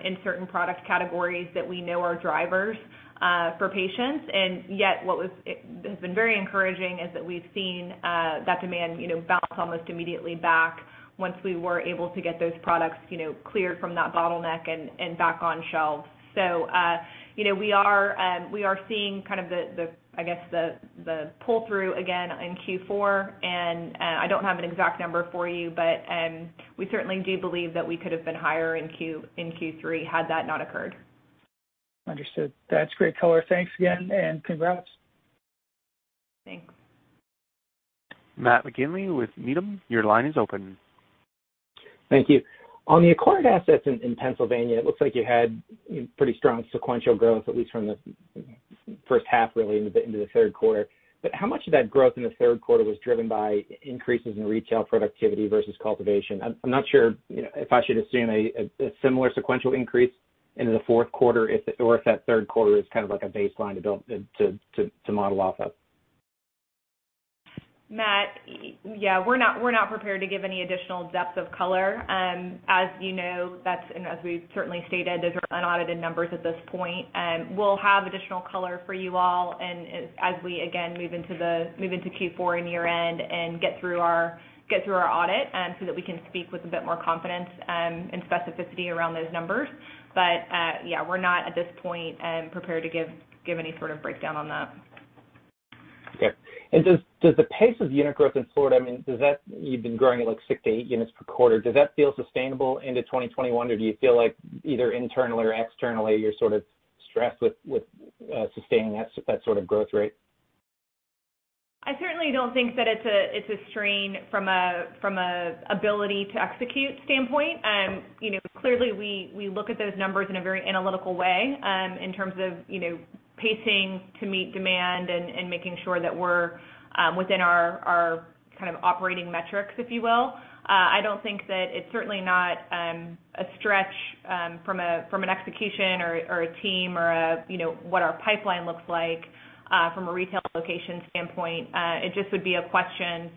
in certain product categories that we know are drivers for patients. Yet, what has been very encouraging is that we've seen that demand bounce almost immediately back once we were able to get those products cleared from that bottleneck and back on shelves. We are seeing the pull-through again in Q4, and I don't have an exact number for you, but we certainly do believe that we could have been higher in Q3 had that not occurred. Understood. That's great color. Thanks again, and congrats. Thanks. Matt McGinley with Needham. Your line is open. Thank you. On the acquired assets in Pennsylvania, it looks like you had pretty strong sequential growth, at least from the first half, really into the third quarter. How much of that growth in the third quarter was driven by increases in retail productivity versus cultivation? I'm not sure if I should assume a similar sequential increase into the fourth quarter or if that third quarter is kind of like a baseline to build to model off of. Matt, yeah, we're not prepared to give any additional depth of color. As you know, that's, as we've certainly stated, those are unaudited numbers at this point. We'll have additional color for you all and as we, again, move into Q4 and year-end and get through our audit so that we can speak with a bit more confidence and specificity around those numbers. Yeah, we're not, at this point, prepared to give any sort of breakdown on that. Okay. Does the pace of unit growth in Florida, you've been growing at six to eight units per quarter, feel sustainable into 2021, or do you feel like either internally or externally, you're sort of stressed with sustaining that sort of growth rate? I certainly don't think that it's a strain from a ability to execute standpoint. Clearly we look at those numbers in a very analytical way in terms of pacing to meet demand and making sure that we're within our kind of operating metrics, if you will. I don't think that it's certainly not a stretch from an execution or a team or what our pipeline looks like from a retail location standpoint. It just would be a question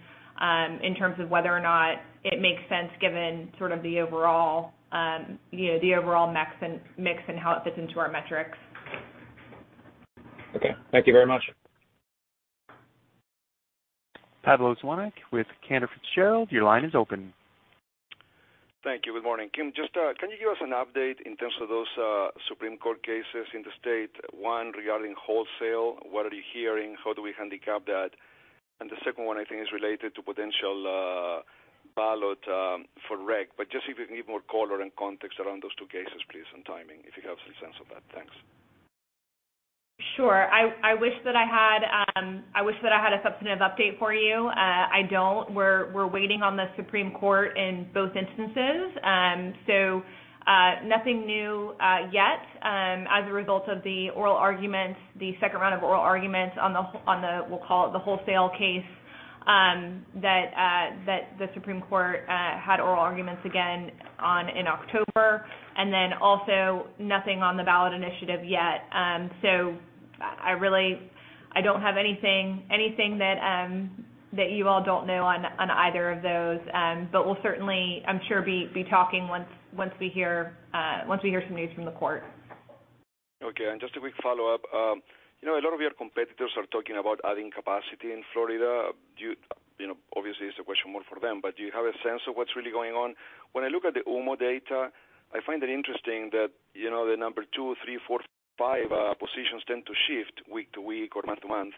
in terms of whether or not it makes sense given the overall mix and how it fits into our metrics. Okay. Thank you very much. Pablo Zuanic with Cantor Fitzgerald, your line is open. Thank you. Good morning. Kim, can you give us an update in terms of those Supreme Court cases in the state? One regarding wholesale, what are you hearing? How do we handicap that? The second one, I think, is related to potential ballot for rec, but just if you can give more color and context around those two cases, please, and timing, if you have some sense of that. Thanks. Sure. I wish that I had a substantive update for you. I don't. We're waiting on the Supreme Court in both instances. Nothing new yet as a result of the second round of oral arguments on the, we'll call it the wholesale case, that the Supreme Court had oral arguments again in October, and also nothing on the ballot initiative yet. I really don't have anything that you all don't know on either of those. We'll certainly, I'm sure, be talking once we hear some news from the court. Okay, just a quick follow-up. A lot of your competitors are talking about adding capacity in Florida. Obviously, it's a question more for them. Do you have a sense of what's really going on? When I look at the OMMU data, I find it interesting that the number two, three, four, five positions tend to shift week to week or month to month.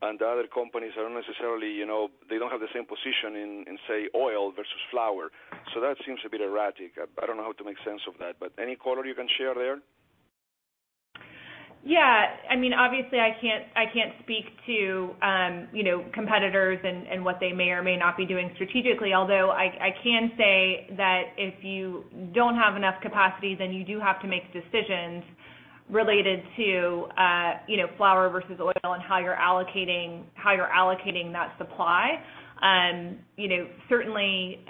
The other companies, they don't have the same position in, say, oil versus flower. That seems a bit erratic. I don't know how to make sense of that. Any color you can share there? Yeah. Obviously, I can't speak to competitors and what they may or may not be doing strategically. Although, I can say that if you don't have enough capacity, then you do have to make decisions related to flower versus oil and how you're allocating that supply. Certainly,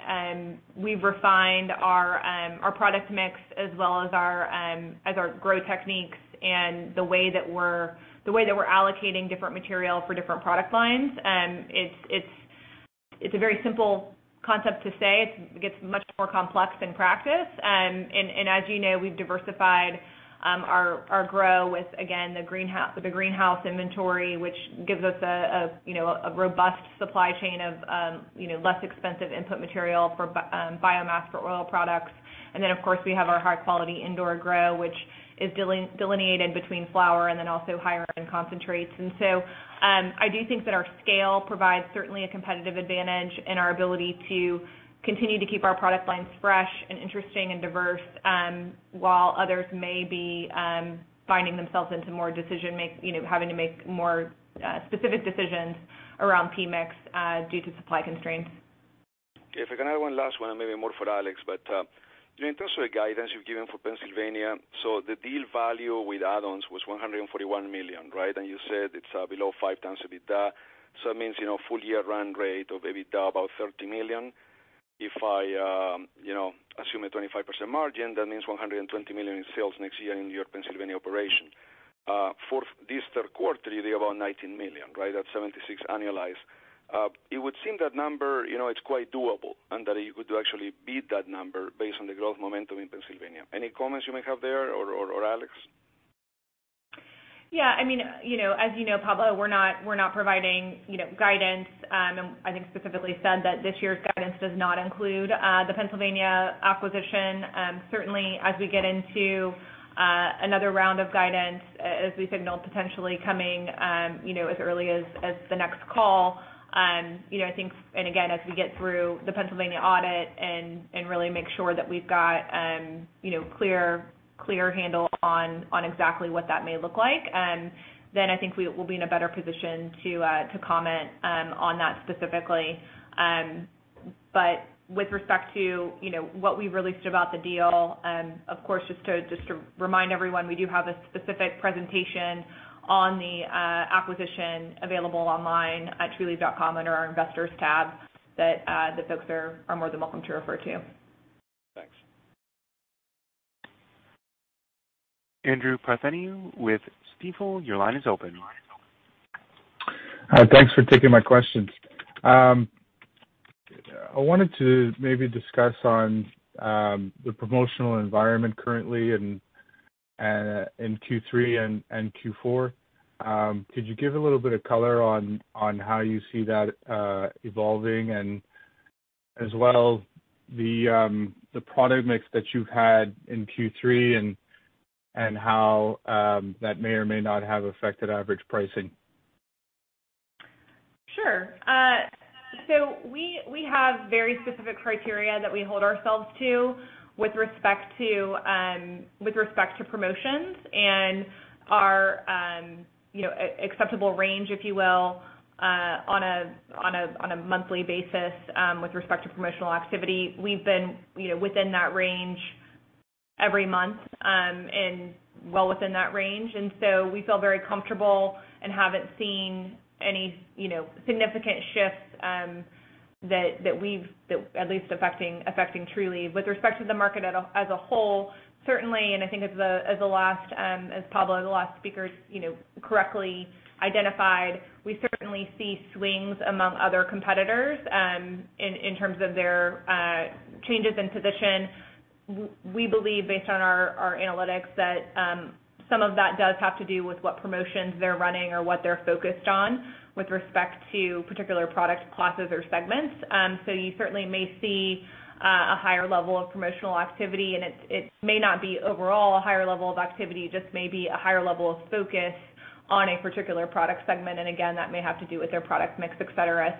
we've refined our product mix as well as our grow techniques and the way that we're allocating different material for different product lines. It's a very simple concept to say. It gets much more complex in practice. As you know, we've diversified our grow with, again, the greenhouse inventory, which gives us a robust supply chain of less expensive input material for biomass for oil products. Then, of course, we have our high-quality indoor grow, which is delineated between flower and then also higher end concentrates. I do think that our scale provides certainly a competitive advantage in our ability to continue to keep our product lines fresh and interesting and diverse, while others may be finding themselves having to make more specific decisions around PMIX due to supply constraints. Okay. If I can add one last one, and maybe more for Alex. In terms of the guidance you've given for Pennsylvania, the deal value with add-ons was $141 million, right? You said it's below 5x EBITDA. That means, full year run rate of EBITDA about $30 million. If I assume a 25% margin, that means $120 million in sales next year in your Pennsylvania operation. For this third quarter, you did about $19 million. Right? At $76 annualized. It would seem that number, it's quite doable and that you could actually beat that number based on the growth momentum in Pennsylvania. Any comments you may have there or Alex? As you know, Pablo, we're not providing guidance. I think specifically said that this year's guidance does not include the Pennsylvania acquisition. Certainly, as we get into another round of guidance, as we signaled potentially coming as early as the next call. I think, and again, as we get through the Pennsylvania audit and really make sure that we've got clear handle on exactly what that may look like, then I think we will be in a better position to comment on that specifically. With respect to what we released about the deal, of course, just to remind everyone, we do have a specific presentation on the acquisition available online at trulieve.com under our Investors tab, that folks are more than welcome to refer to. Thanks. Andrew Partheniou with Stifel, your line is open. Thanks for taking my questions. I wanted to maybe discuss on the promotional environment currently in Q3 and Q4. Could you give a little bit of color on how you see that evolving and as well, the product mix that you had in Q3 and how that may or may not have affected average pricing? Sure. We have very specific criteria that we hold ourselves to with respect to promotions and our acceptable range, if you will, on a monthly basis with respect to promotional activity. We've been within that range every month, and well within that range. We feel very comfortable and haven't seen any significant shifts that at least affecting Trulieve. With respect to the market as a whole, certainly, and I think as Pablo, the last speaker, correctly identified, we certainly see swings among other competitors in terms of their changes in position. We believe based on our analytics that some of that does have to do with what promotions they're running or what they're focused on with respect to particular product classes or segments. You certainly may see a higher level of promotional activity, and it may not be overall a higher level of activity, just maybe a higher level of focus on a particular product segment. Again, that may have to do with their product mix, et cetera.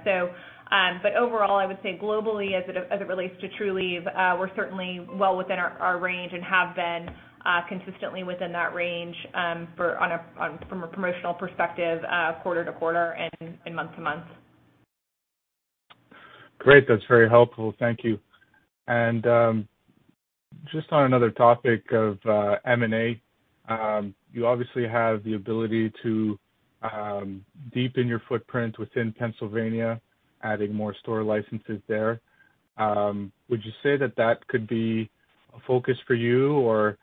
Overall, I would say globally as it relates to Trulieve, we're certainly well within our range and have been consistently within that range from a promotional perspective, quarter to quarter and month to month. Great. That's very helpful. Thank you. Just on another topic of M&A, you obviously have the ability to deepen your footprint within Pennsylvania, adding more store licenses there. Would you say that that could be a focus for you? Or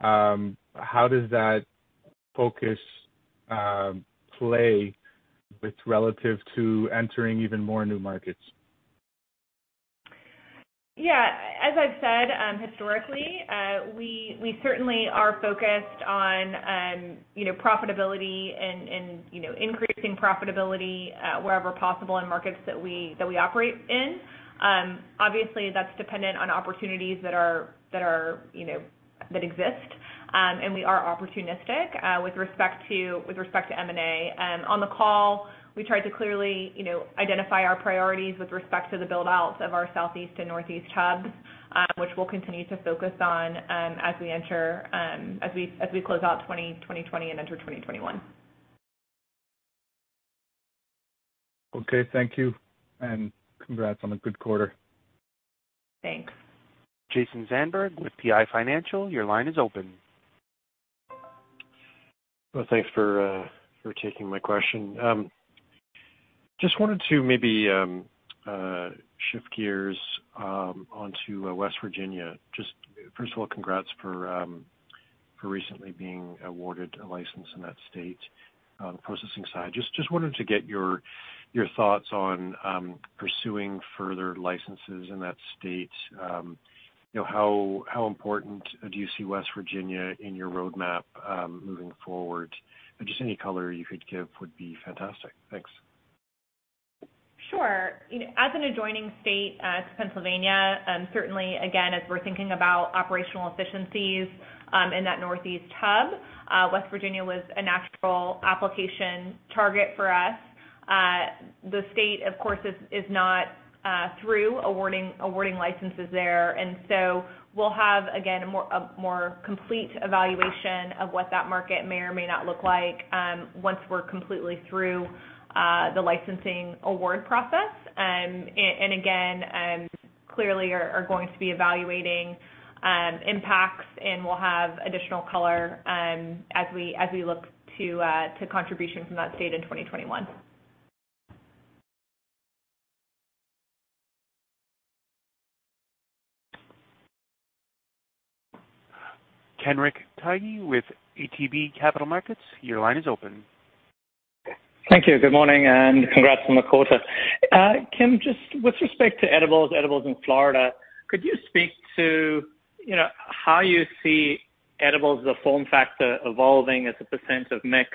how does that focus play with relative to entering even more new markets? Yeah. As I've said, historically, we certainly are focused on profitability and increasing profitability wherever possible in markets that we operate in. Obviously, that's dependent on opportunities that exist. We are opportunistic with respect to M&A. On the call, we tried to clearly identify our priorities with respect to the build-outs of our Southeast and Northeast hubs, which we'll continue to focus on as we close out 2020 and enter 2021. Okay, thank you, and congrats on a good quarter. Thanks. Jason Zandberg with PI Financial, your line is open. Thanks for taking my question. Just wanted to maybe shift gears onto West Virginia. Just first of all, congrats for recently being awarded a license in that state on the processing side. Just wanted to get your thoughts on pursuing further licenses in that state. How important do you see West Virginia in your roadmap moving forward? Just any color you could give would be fantastic. Thanks. Sure. As an adjoining state to Pennsylvania, certainly, again, as we're thinking about operational efficiencies in that Northeast hub, West Virginia was a natural application target for us. The state, of course, is not through awarding licenses there. So we'll have, again, a more complete evaluation of what that market may or may not look like once we're completely through the licensing award process. Again, clearly are going to be evaluating impacts, and we'll have additional color as we look to contribution from that state in 2021. Kenric Tyghe with ATB Capital Markets, your line is open. Thank you. Good morning, and congrats on the quarter. Kim, just with respect to edibles in Florida, could you speak to how you see edibles as a form factor evolving as a percent of mix?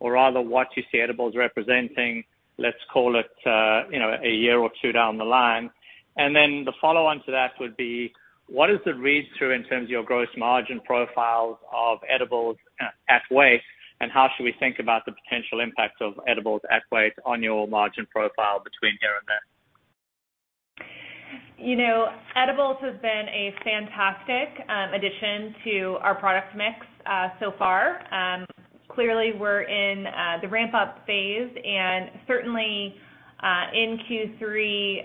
Rather, what you see edibles representing, let's call it, a year or two down the line. Then the follow-on to that would be, what is the read-through in terms of your gross margin profiles of edibles at weight? How should we think about the potential impact of edibles at weight on your margin profile between here and there? Edibles has been a fantastic addition to our product mix so far. Clearly, we're in the ramp-up phase, and certainly, in Q3,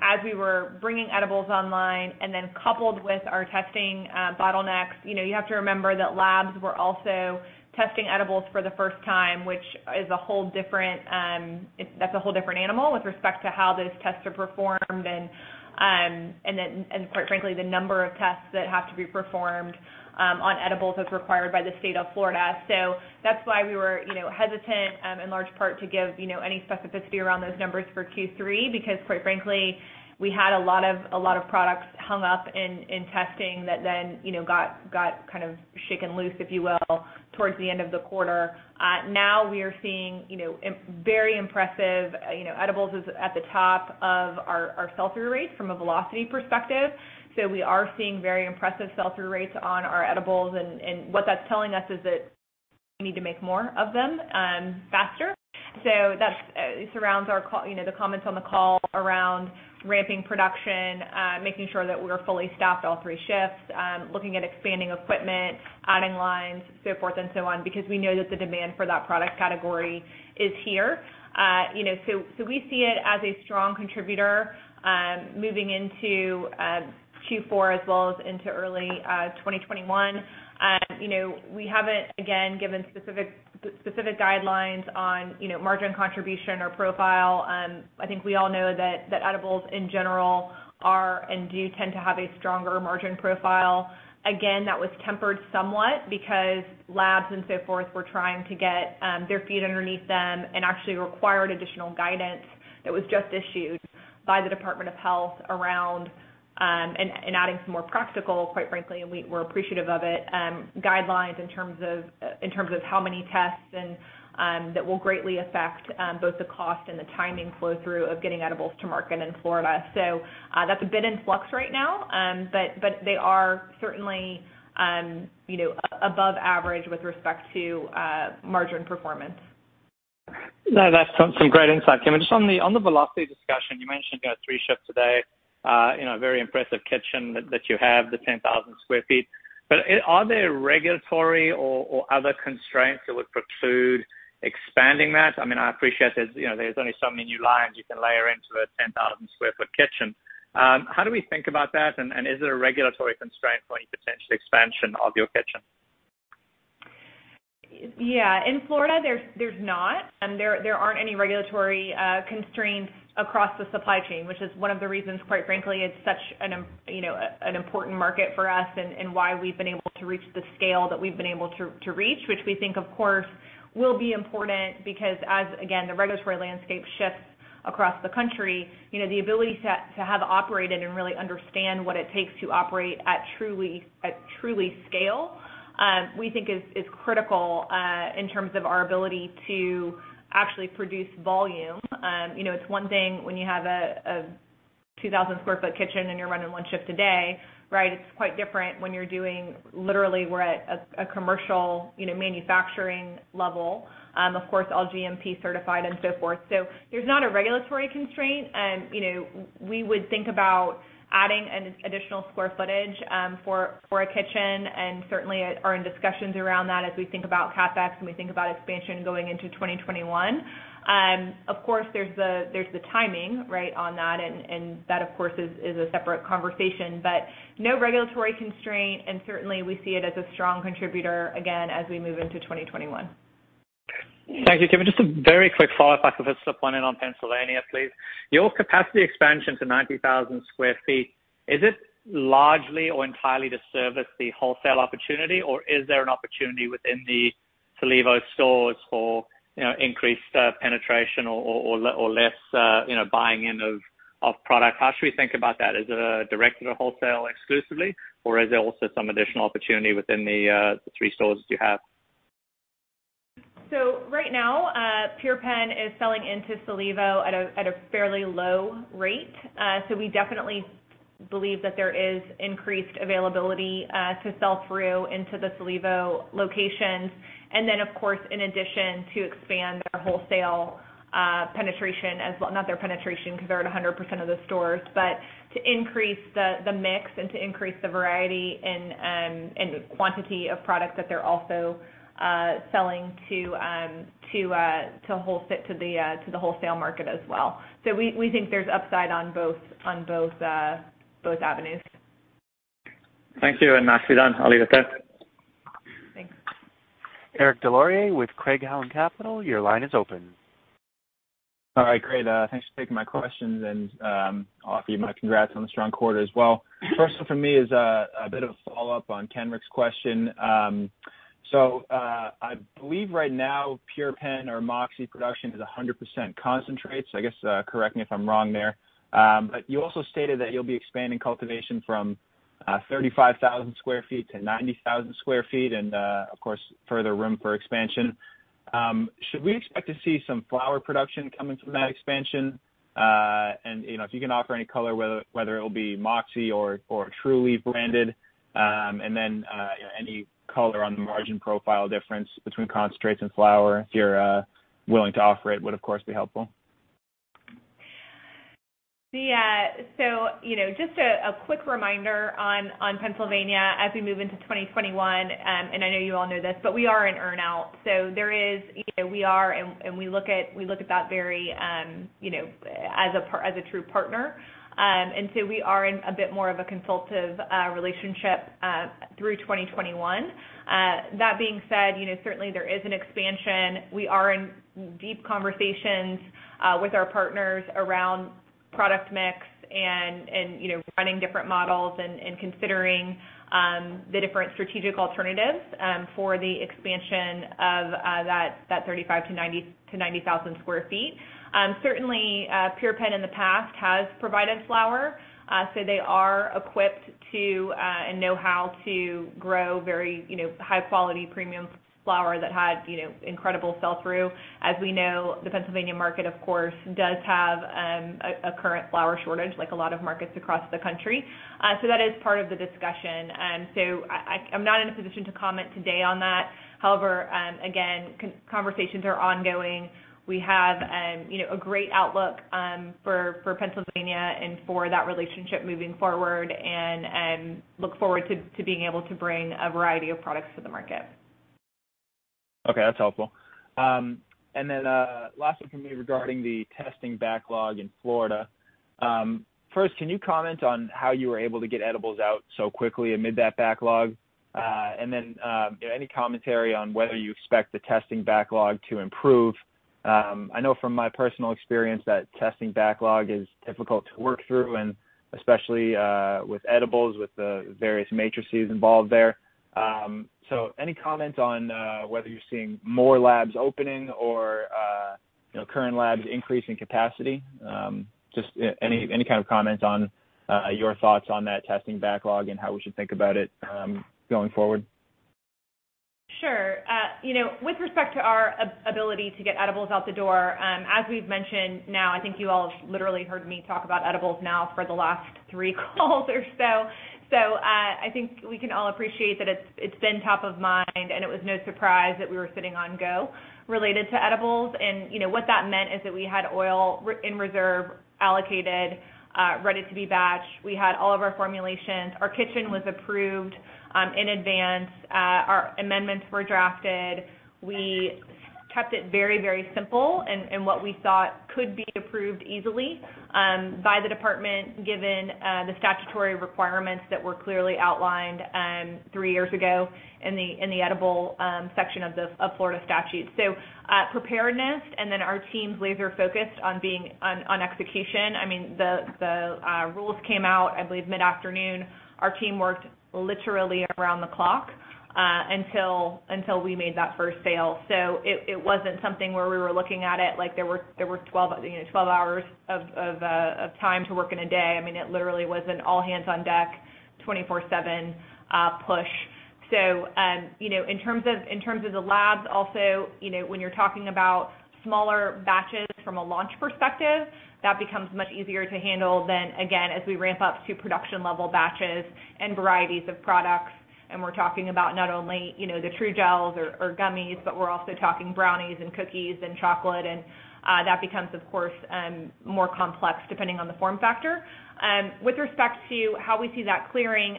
as we were bringing edibles online and then coupled with our testing bottlenecks, you have to remember that labs were also testing edibles for the first time, which that's a whole different animal with respect to how those tests are performed and quite frankly, the number of tests that have to be performed on edibles as required by the state of Florida. That's why we were hesitant in large part to give any specificity around those numbers for Q3 because quite frankly, we had a lot of products hung up in testing that then got kind of shaken loose, if you will, towards the end of the quarter. Now we are seeing very impressive edibles is at the top of our sell-through rates from a velocity perspective. We are seeing very impressive sell-through rates on our edibles, and what that's telling us is that we need to make more of them faster. That surrounds the comments on the call around ramping production, making sure that we're fully staffed all three shifts, looking at expanding equipment, adding lines, so forth and so on, because we know that the demand for that product category is here. We see it as a strong contributor moving into Q4 as well as into early 2021. We haven't, again, given specific guidelines on margin contribution or profile. I think we all know that edibles in general are and do tend to have a stronger margin profile. Again, that was tempered somewhat because labs and so forth were trying to get their feet underneath them and actually required additional guidance that was just issued by the Department of Health around and adding some more practical, quite frankly, and we're appreciative of it, guidelines in terms of how many tests, and that will greatly affect both the cost and the timing flow-through of getting edibles to market in Florida. That's a bit in flux right now. They are certainly above average with respect to margin performance. No, that's some great insight, Kim. Just on the velocity discussion, you mentioned three shifts a day, very impressive kitchen that you have, the 10,000 sq ft. Are there regulatory or other constraints that would preclude expanding that? I appreciate there's only so many new lines you can layer into a 10,000 sq ft kitchen. How do we think about that, and is it a regulatory constraint for any potential expansion of your kitchen? Yeah. In Florida, there's not. There aren't any regulatory constraints across the supply chain, which is one of the reasons, quite frankly, it's such an important market for us and why we've been able to reach the scale that we've been able to reach, which we think, of course, will be important. Because as, again, the regulatory landscape shifts across the country, the ability to have operated and really understand what it takes to operate at Trulieve scale, we think is critical in terms of our ability to actually produce volume. It's one thing when you have a 2,000 sq ft kitchen and you're running one shift a day. It's quite different when you're doing literally, we're at a commercial manufacturing level. Of course, all GMP certified and so forth. There's not a regulatory constraint. We would think about adding an additional square footage for a kitchen, and certainly are in discussions around that as we think about CapEx and we think about expansion going into 2021. Of course, there's the timing on that, and that, of course, is a separate conversation. No regulatory constraint, and certainly, we see it as a strong contributor, again, as we move into 2021. Thank you, Kim. Just a very quick follow-up, if I could just slip one in on Pennsylvania, please. Your capacity expansion to 90,000 sq ft, is it largely or entirely to service the wholesale opportunity, or is there an opportunity within the Solevo stores for increased penetration or less buying in of product? How should we think about that? Is it a direct to wholesale exclusively, or is there also some additional opportunity within the three stores that you have? Right now, PurePenn is selling into Solevo at a fairly low rate. We definitely believe that there is increased availability to sell through into the Solevo locations. Then, of course, in addition to expand their wholesale penetration as well, not their penetration because they're at 100% of the stores, but to increase the mix and to increase the variety and quantity of product that they're also selling to the wholesale market as well. We think there's upside on both avenues. Thank you. Nicely done. I'll leave it there. Thanks. Eric Des Lauriers with Craig-Hallum Capital, your line is open. All right, great. Thanks for taking my questions. I'll offer you my congrats on the strong quarter as well. First one for me is a bit of a follow-up on Kenric's question. I believe right now, PurePenn or Moxie production is 100% concentrate, I guess, correct me if I'm wrong there. You also stated that you'll be expanding cultivation from 35,000 sq ft-90,000 sq ft and, of course, further room for expansion. Should we expect to see some flower production coming from that expansion? If you can offer any color, whether it will be Moxie or Trulieve branded. Any color on the margin profile difference between concentrates and flower, if you're willing to offer it, would of course be helpful. Yeah. Just a quick reminder on Pennsylvania, as we move into 2021, and I know you all know this, but we are in earn-out. We look at that very, as a true partner. We are in a bit more of a consultative relationship through 2021. That being said, certainly there is an expansion. We are in deep conversations with our partners around product mix and running different models and considering the different strategic alternatives for the expansion of that 35,000 sq ft-90,000 sq ft. Certainly, PurePenn in the past has provided flower. They are equipped to, and know how to grow very high-quality, premium flower that had incredible sell-through. As we know, the Pennsylvania market, of course, does have a current flower shortage, like a lot of markets across the country. That is part of the discussion. I'm not in a position to comment today on that. However, again, conversations are ongoing. We have a great outlook for Pennsylvania and for that relationship moving forward and look forward to being able to bring a variety of products to the market. Okay, that's helpful. Last one from me regarding the testing backlog in Florida. First, can you comment on how you were able to get edibles out so quickly amid that backlog? Any commentary on whether you expect the testing backlog to improve? I know from my personal experience that testing backlog is difficult to work through, and especially with edibles, with the various matrices involved there. Any comment on whether you're seeing more labs opening, or current labs increasing capacity? Just any kind of comment on your thoughts on that testing backlog and how we should think about it going forward? Sure. With respect to our ability to get edibles out the door, as we've mentioned now, I think you all have literally heard me talk about edibles now for the last three calls or so. I think we can all appreciate that it's been top of mind, and it was no surprise that we were sitting on go related to edibles. What that meant is that we had oil in reserve, allocated, ready to be batched. We had all of our formulations. Our kitchen was approved in advance. Our amendments were drafted. We kept it very simple in what we thought could be approved easily by the Department, given the statutory requirements that were clearly outlined three years ago in the edible section of Florida Statutes. Preparedness and then our teams laser-focused on execution. The rules came out, I believe, mid-afternoon. Our team worked literally around the clock until we made that first sale. It wasn't something where we were looking at it like there were 12 hours of time to work in a day. It literally was an all-hands-on-deck, 24/7 push. In terms of the labs also, when you're talking about smaller batches from a launch perspective, that becomes much easier to handle than, again, as we ramp up to production-level batches and varieties of products, and we're talking about not only the TruGels or gummies, but we're also talking brownies and cookies and chocolate. That becomes, of course, more complex depending on the form factor. With respect to how we see that clearing,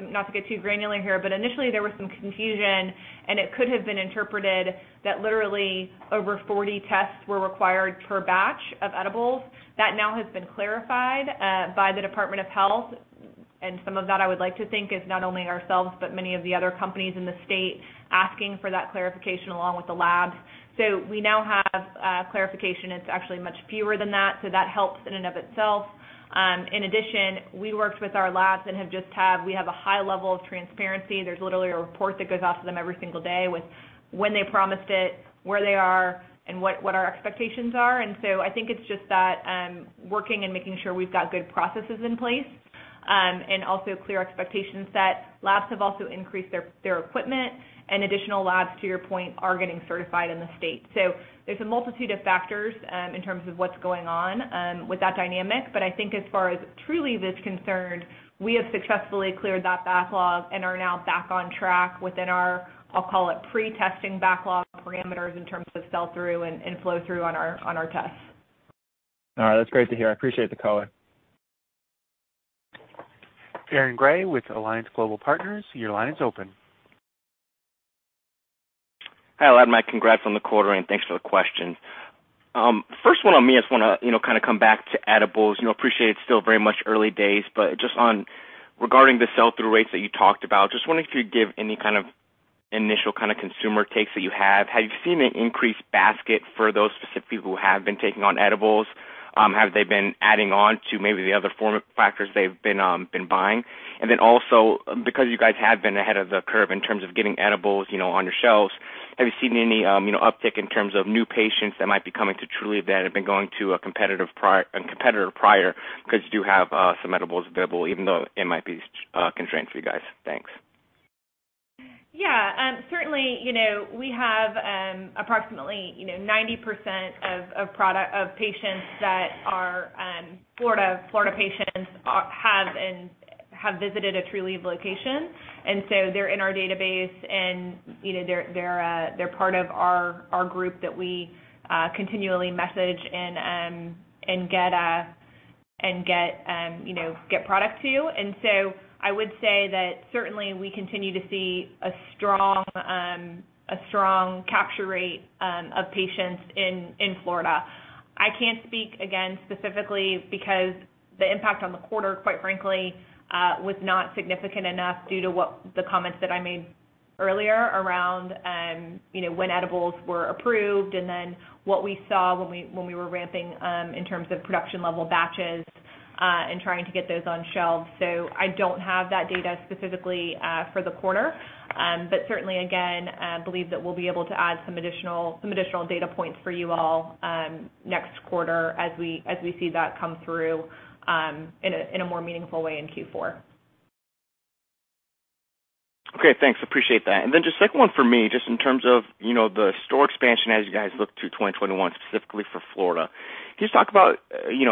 not to get too granular here, but initially, there was some confusion, and it could have been interpreted that literally over 40 tests were required per batch of edibles. That now has been clarified by the Department of Health. Some of that, I would like to think, is not only ourselves, but many of the other companies in the state asking for that clarification along with the labs. We now have clarification. It's actually much fewer than that. That helps in and of itself. In addition, we worked with our labs and we have a high level of transparency. There's literally a report that goes out to them every single day with when they promised it, where they are, and what our expectations are. I think it's just that working and making sure we've got good processes in place, and also clear expectations set. Labs have also increased their equipment, and additional labs, to your point, are getting certified in the state. There's a multitude of factors in terms of what's going on with that dynamic. I think as far as Trulieve is concerned, we have successfully cleared that backlog and are now back on track within our, I'll call it, pre-testing backlog parameters in terms of sell-through and flow-through on our tests. All right. That's great to hear. I appreciate the color. Aaron Grey with Alliance Global Partners, your line is open. Hi, Ladd. Mike, congrats on the quarter, and thanks for the question. First one on me, I just want to come back to edibles. Appreciate it's still very much early days, but just regarding the sell-through rates that you talked about, just wondering if you'd give any kind of initial consumer takes that you have. Have you seen an increased basket for those specific people who have been taking on edibles? Have they been adding on to maybe the other form of factors they've been buying? Then also, because you guys have been ahead of the curve in terms of getting edibles on your shelves, have you seen any uptick in terms of new patients that might be coming to Trulieve that have been going to a competitor prior because you do have some edibles available, even though it might be constrained for you guys? Thanks. Yeah. Certainly, we have approximately 90% of patients that are Florida patients have visited a Trulieve location. They're in our database, and they're part of our group that we continually message and get product to. I would say that certainly we continue to see a strong capture rate of patients in Florida. I can't speak, again, specifically because the impact on the quarter, quite frankly, was not significant enough due to the comments that I made earlier around when edibles were approved and then what we saw when we were ramping in terms of production level batches, and trying to get those on shelves. I don't have that data specifically for the quarter. Certainly, again, believe that we'll be able to add some additional data points for you all next quarter as we see that come through in a more meaningful way in Q4. Okay, thanks. Appreciate that. Then just second one for me, just in terms of the store expansion as you guys look to 2021, specifically for Florida. Can you just talk about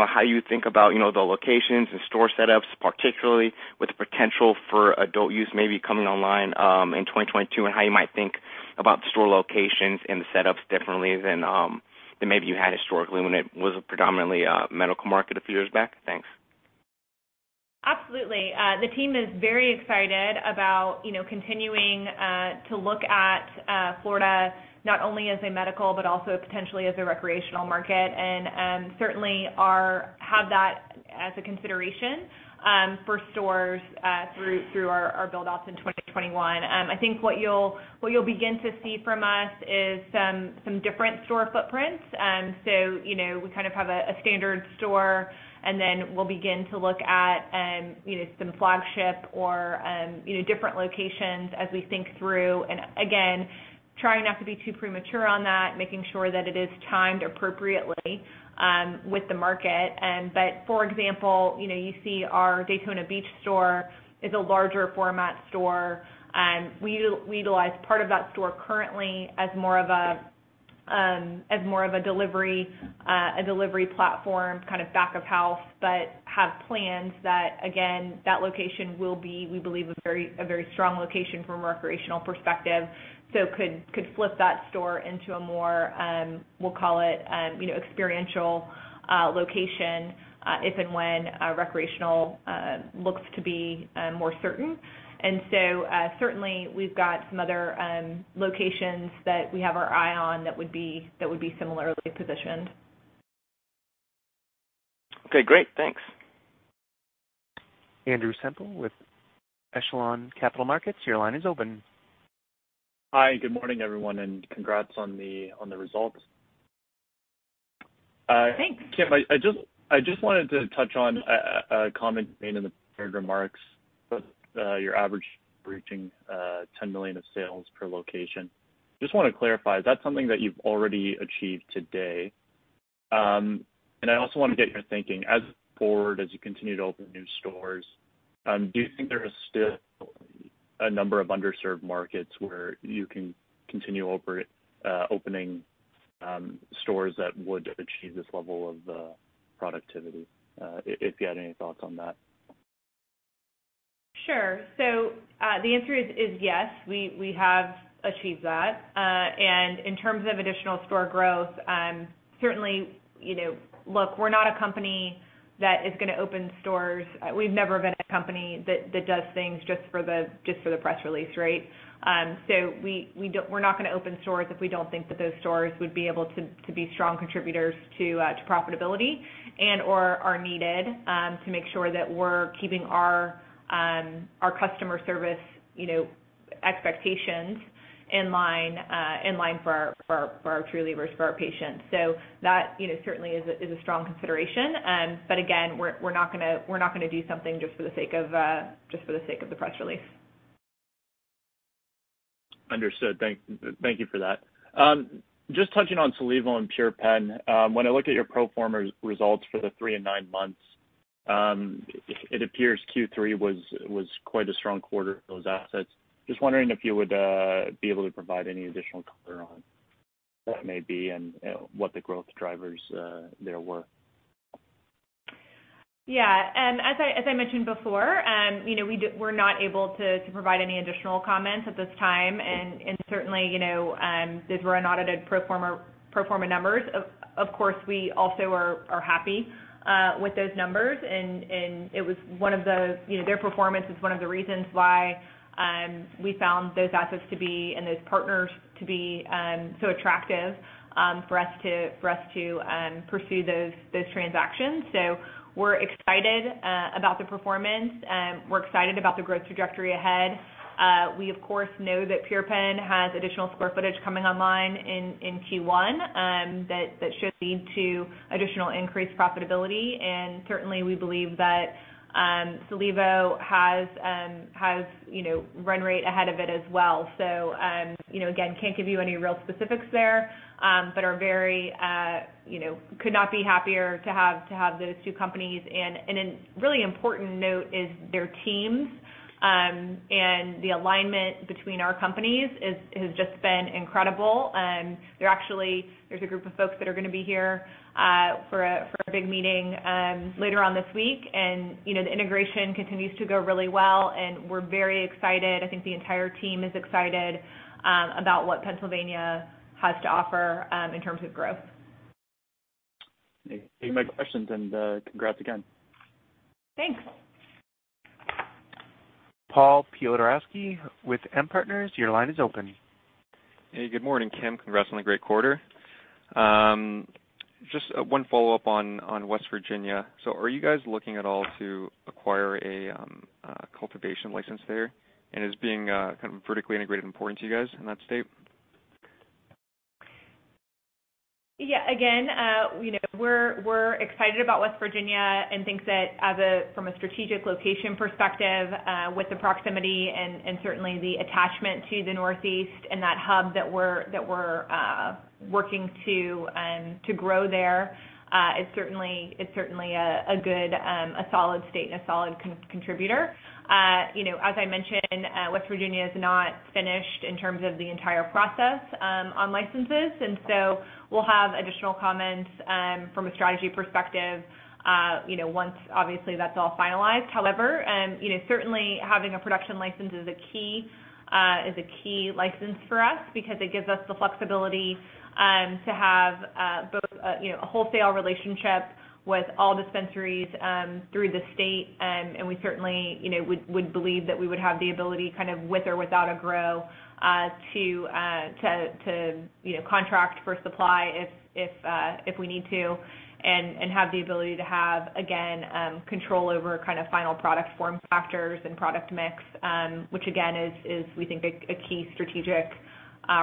how you think about the locations and store setups, particularly with the potential for adult use maybe coming online in 2022, and how you might think about the store locations and the setups differently than maybe you had historically when it was a predominantly medical market a few years back? Thanks. Absolutely. The team is very excited about continuing to look at Florida, not only as a medical, but also potentially as a recreational market, and certainly have that as a consideration for stores through our build-offs in 2021. I think what you'll begin to see from us is some different store footprints. We kind of have a standard store, then we'll begin to look at some flagship or different locations as we think through. Again, trying not to be too premature on that, making sure that it is timed appropriately with the market. For example, you see our Daytona Beach store is a larger format store. We utilize part of that store currently as more of a delivery platform, kind of back of house, but have plans that, again, that location will be, we believe, a very strong location from a recreational perspective. Could flip that store into a more, we'll call it, experiential location, if and when recreational looks to be more certain. Certainly we've got some other locations that we have our eye on that would be similarly positioned. Okay, great. Thanks. Andrew Semple with Echelon Capital Markets, your line is open. Hi, good morning, everyone, and congrats on the results. Thanks. Kim, I just wanted to touch on a comment made in the prepared remarks about your average reaching $10 million of sales per location. Just want to clarify, is that something that you've already achieved today? I also want to get your thinking as you move forward, as you continue to open new stores, do you think there is still a number of underserved markets where you can continue opening stores that would achieve this level of productivity? If you had any thoughts on that. Sure. The answer is yes, we have achieved that. In terms of additional store growth, certainly, look, we're not a company that is going to open stores. We've never been a company that does things just for the press release, right? We're not going to open stores if we don't think that those stores would be able to be strong contributors to profitability and/or are needed to make sure that we're keeping our customer service expectations in line for our Trulievers, for our patients. That certainly is a strong consideration. Again, we're not going to do something just for the sake of the press release. Understood. Thank you for that. Just touching on Solevo and PurePenn. When I look at your pro forma results for the three and nine months, it appears Q3 was quite a strong quarter for those assets. Just wondering if you would be able to provide any additional color on what that may be and what the growth drivers there were. Yeah. As I mentioned before, we're not able to provide any additional comments at this time. Certainly, those were unaudited pro forma numbers. Of course, we also are happy with those numbers, and their performance is one of the reasons why we found those assets to be, and those partners to be so attractive for us to pursue those transactions. We're excited about the performance. We're excited about the growth trajectory ahead. We of course know that PurePenn has additional square footage coming online in Q1 that should lead to additional increased profitability. Certainly, we believe that Solevo has run rate ahead of it as well. Again, can't give you any real specifics there. Could not be happier to have those two companies. A really important note is their teams, and the alignment between our companies has just been incredible. There's a group of folks that are going to be here for a big meeting later on this week. The integration continues to go really well, and we're very excited. I think the entire team is excited about what Pennsylvania has to offer in terms of growth. Okay. Those are my questions, and congrats again. Thanks. Paul Piotrowski with M Partners, your line is open. Hey, good morning, Kim. Congrats on the great quarter. Just one follow-up on West Virginia. Are you guys looking at all to acquire a cultivation license there? Is being vertically integrated important to you guys in that state? Yeah. Again, we're excited about West Virginia and think that from a strategic location perspective, with the proximity and certainly the attachment to the Northeast and that hub that we're working to grow there, is certainly a good, a solid state and a solid contributor. As I mentioned, West Virginia is not finished in terms of the entire process on licenses. So we'll have additional comments from a strategy perspective once obviously that's all finalized. However, certainly having a production license is a key license for us because it gives us the flexibility to have both a wholesale relationship with all dispensaries through the state. We certainly would believe that we would have the ability, kind of with or without a grow, to contract for supply if we need to and have the ability to have, again, control over final product form factors and product mix. Which again, is we think a key strategic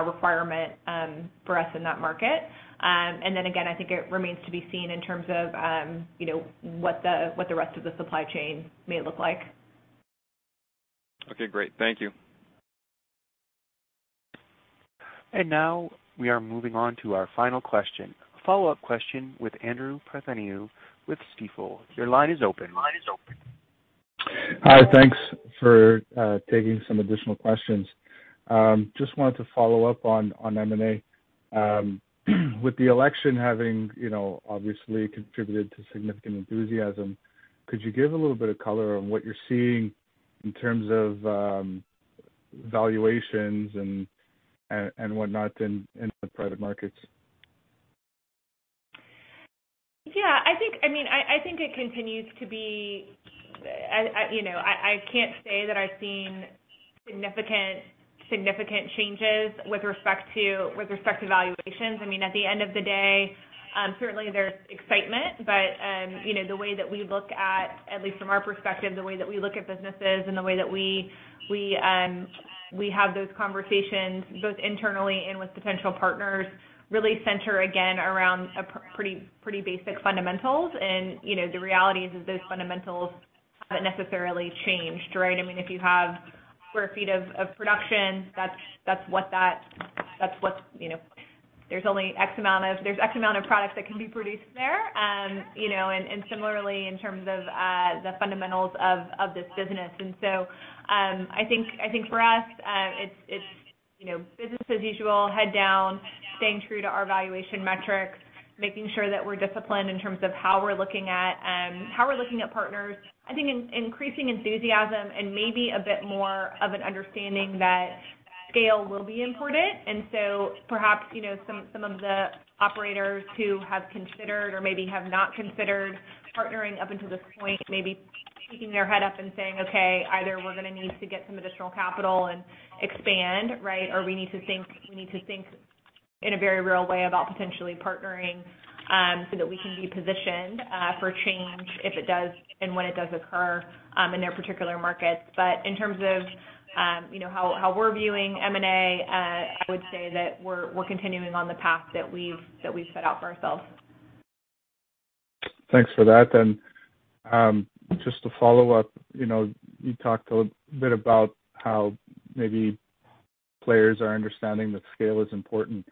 requirement for us in that market. Then again, I think it remains to be seen in terms of what the rest of the supply chain may look like. Okay, great. Thank you. Now we are moving on to our final question, a follow-up question with Andrew Partheniou with Stifel. Your line is open. Hi. Thanks for taking some additional questions. Just wanted to follow up on M&A. With the election having obviously contributed to significant enthusiasm, could you give a little bit of color on what you're seeing in terms of valuations and whatnot in the private markets? Yeah, I think it continues to be I can't say that I've seen significant changes with respect to valuations. At the end of the day, certainly there's excitement, but the way that we look at least from our perspective, the way that we look at businesses and the way that we have those conversations both internally and with potential partners, really center, again, around pretty basic fundamentals. The reality is that those fundamentals haven't necessarily changed, right? If you have square feet of production, there's X amount of product that can be produced there, and similarly, in terms of the fundamentals of this business. I think for us, it's business as usual, head down, staying true to our valuation metrics, making sure that we're disciplined in terms of how we're looking at partners. I think increasing enthusiasm and maybe a bit more of an understanding that scale will be important. Perhaps, some of the operators who have considered or maybe have not considered partnering up until this point, may be keeping their head up and saying, "Okay, either we're going to need to get some additional capital and expand," right? "Or we need to think in a very real way about potentially partnering, so that we can be positioned for change if it does and when it does occur," in their particular markets. In terms of how we're viewing M&A, I would say that we're continuing on the path that we've set out for ourselves. Thanks for that. Just to follow up, you talked a little bit about how maybe players are understanding that scale is important.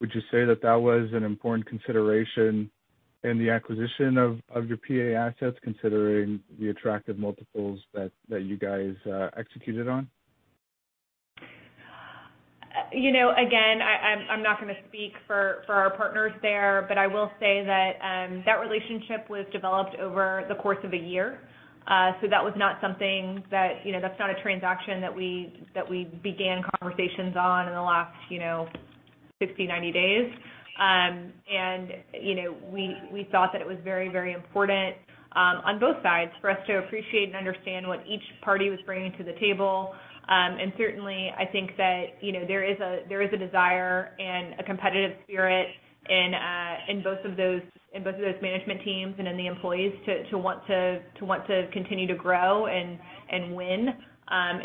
Would you say that that was an important consideration in the acquisition of your PA assets, considering the attractive multiples that you guys executed on? Again, I'm not going to speak for our partners there, but I will say that that relationship was developed over the course of a year. That's not a transaction that we began conversations on in the last 60, 90 days. We thought that it was very important on both sides for us to appreciate and understand what each party was bringing to the table. Certainly, I think that there is a desire and a competitive spirit in both of those management teams and in the employees to want to continue to grow and win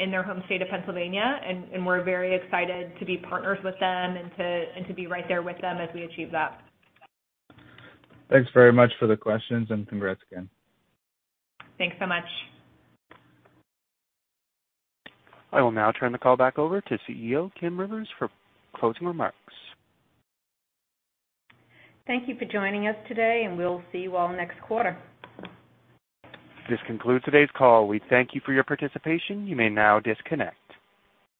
in their home state of Pennsylvania. We're very excited to be partners with them and to be right there with them as we achieve that. Thanks very much for the questions, and congrats again. Thanks so much. I will now turn the call back over to CEO, Kim Rivers, for closing remarks. Thank you for joining us today, and we'll see you all next quarter. This concludes today's call. We thank you for your participation. You may now disconnect.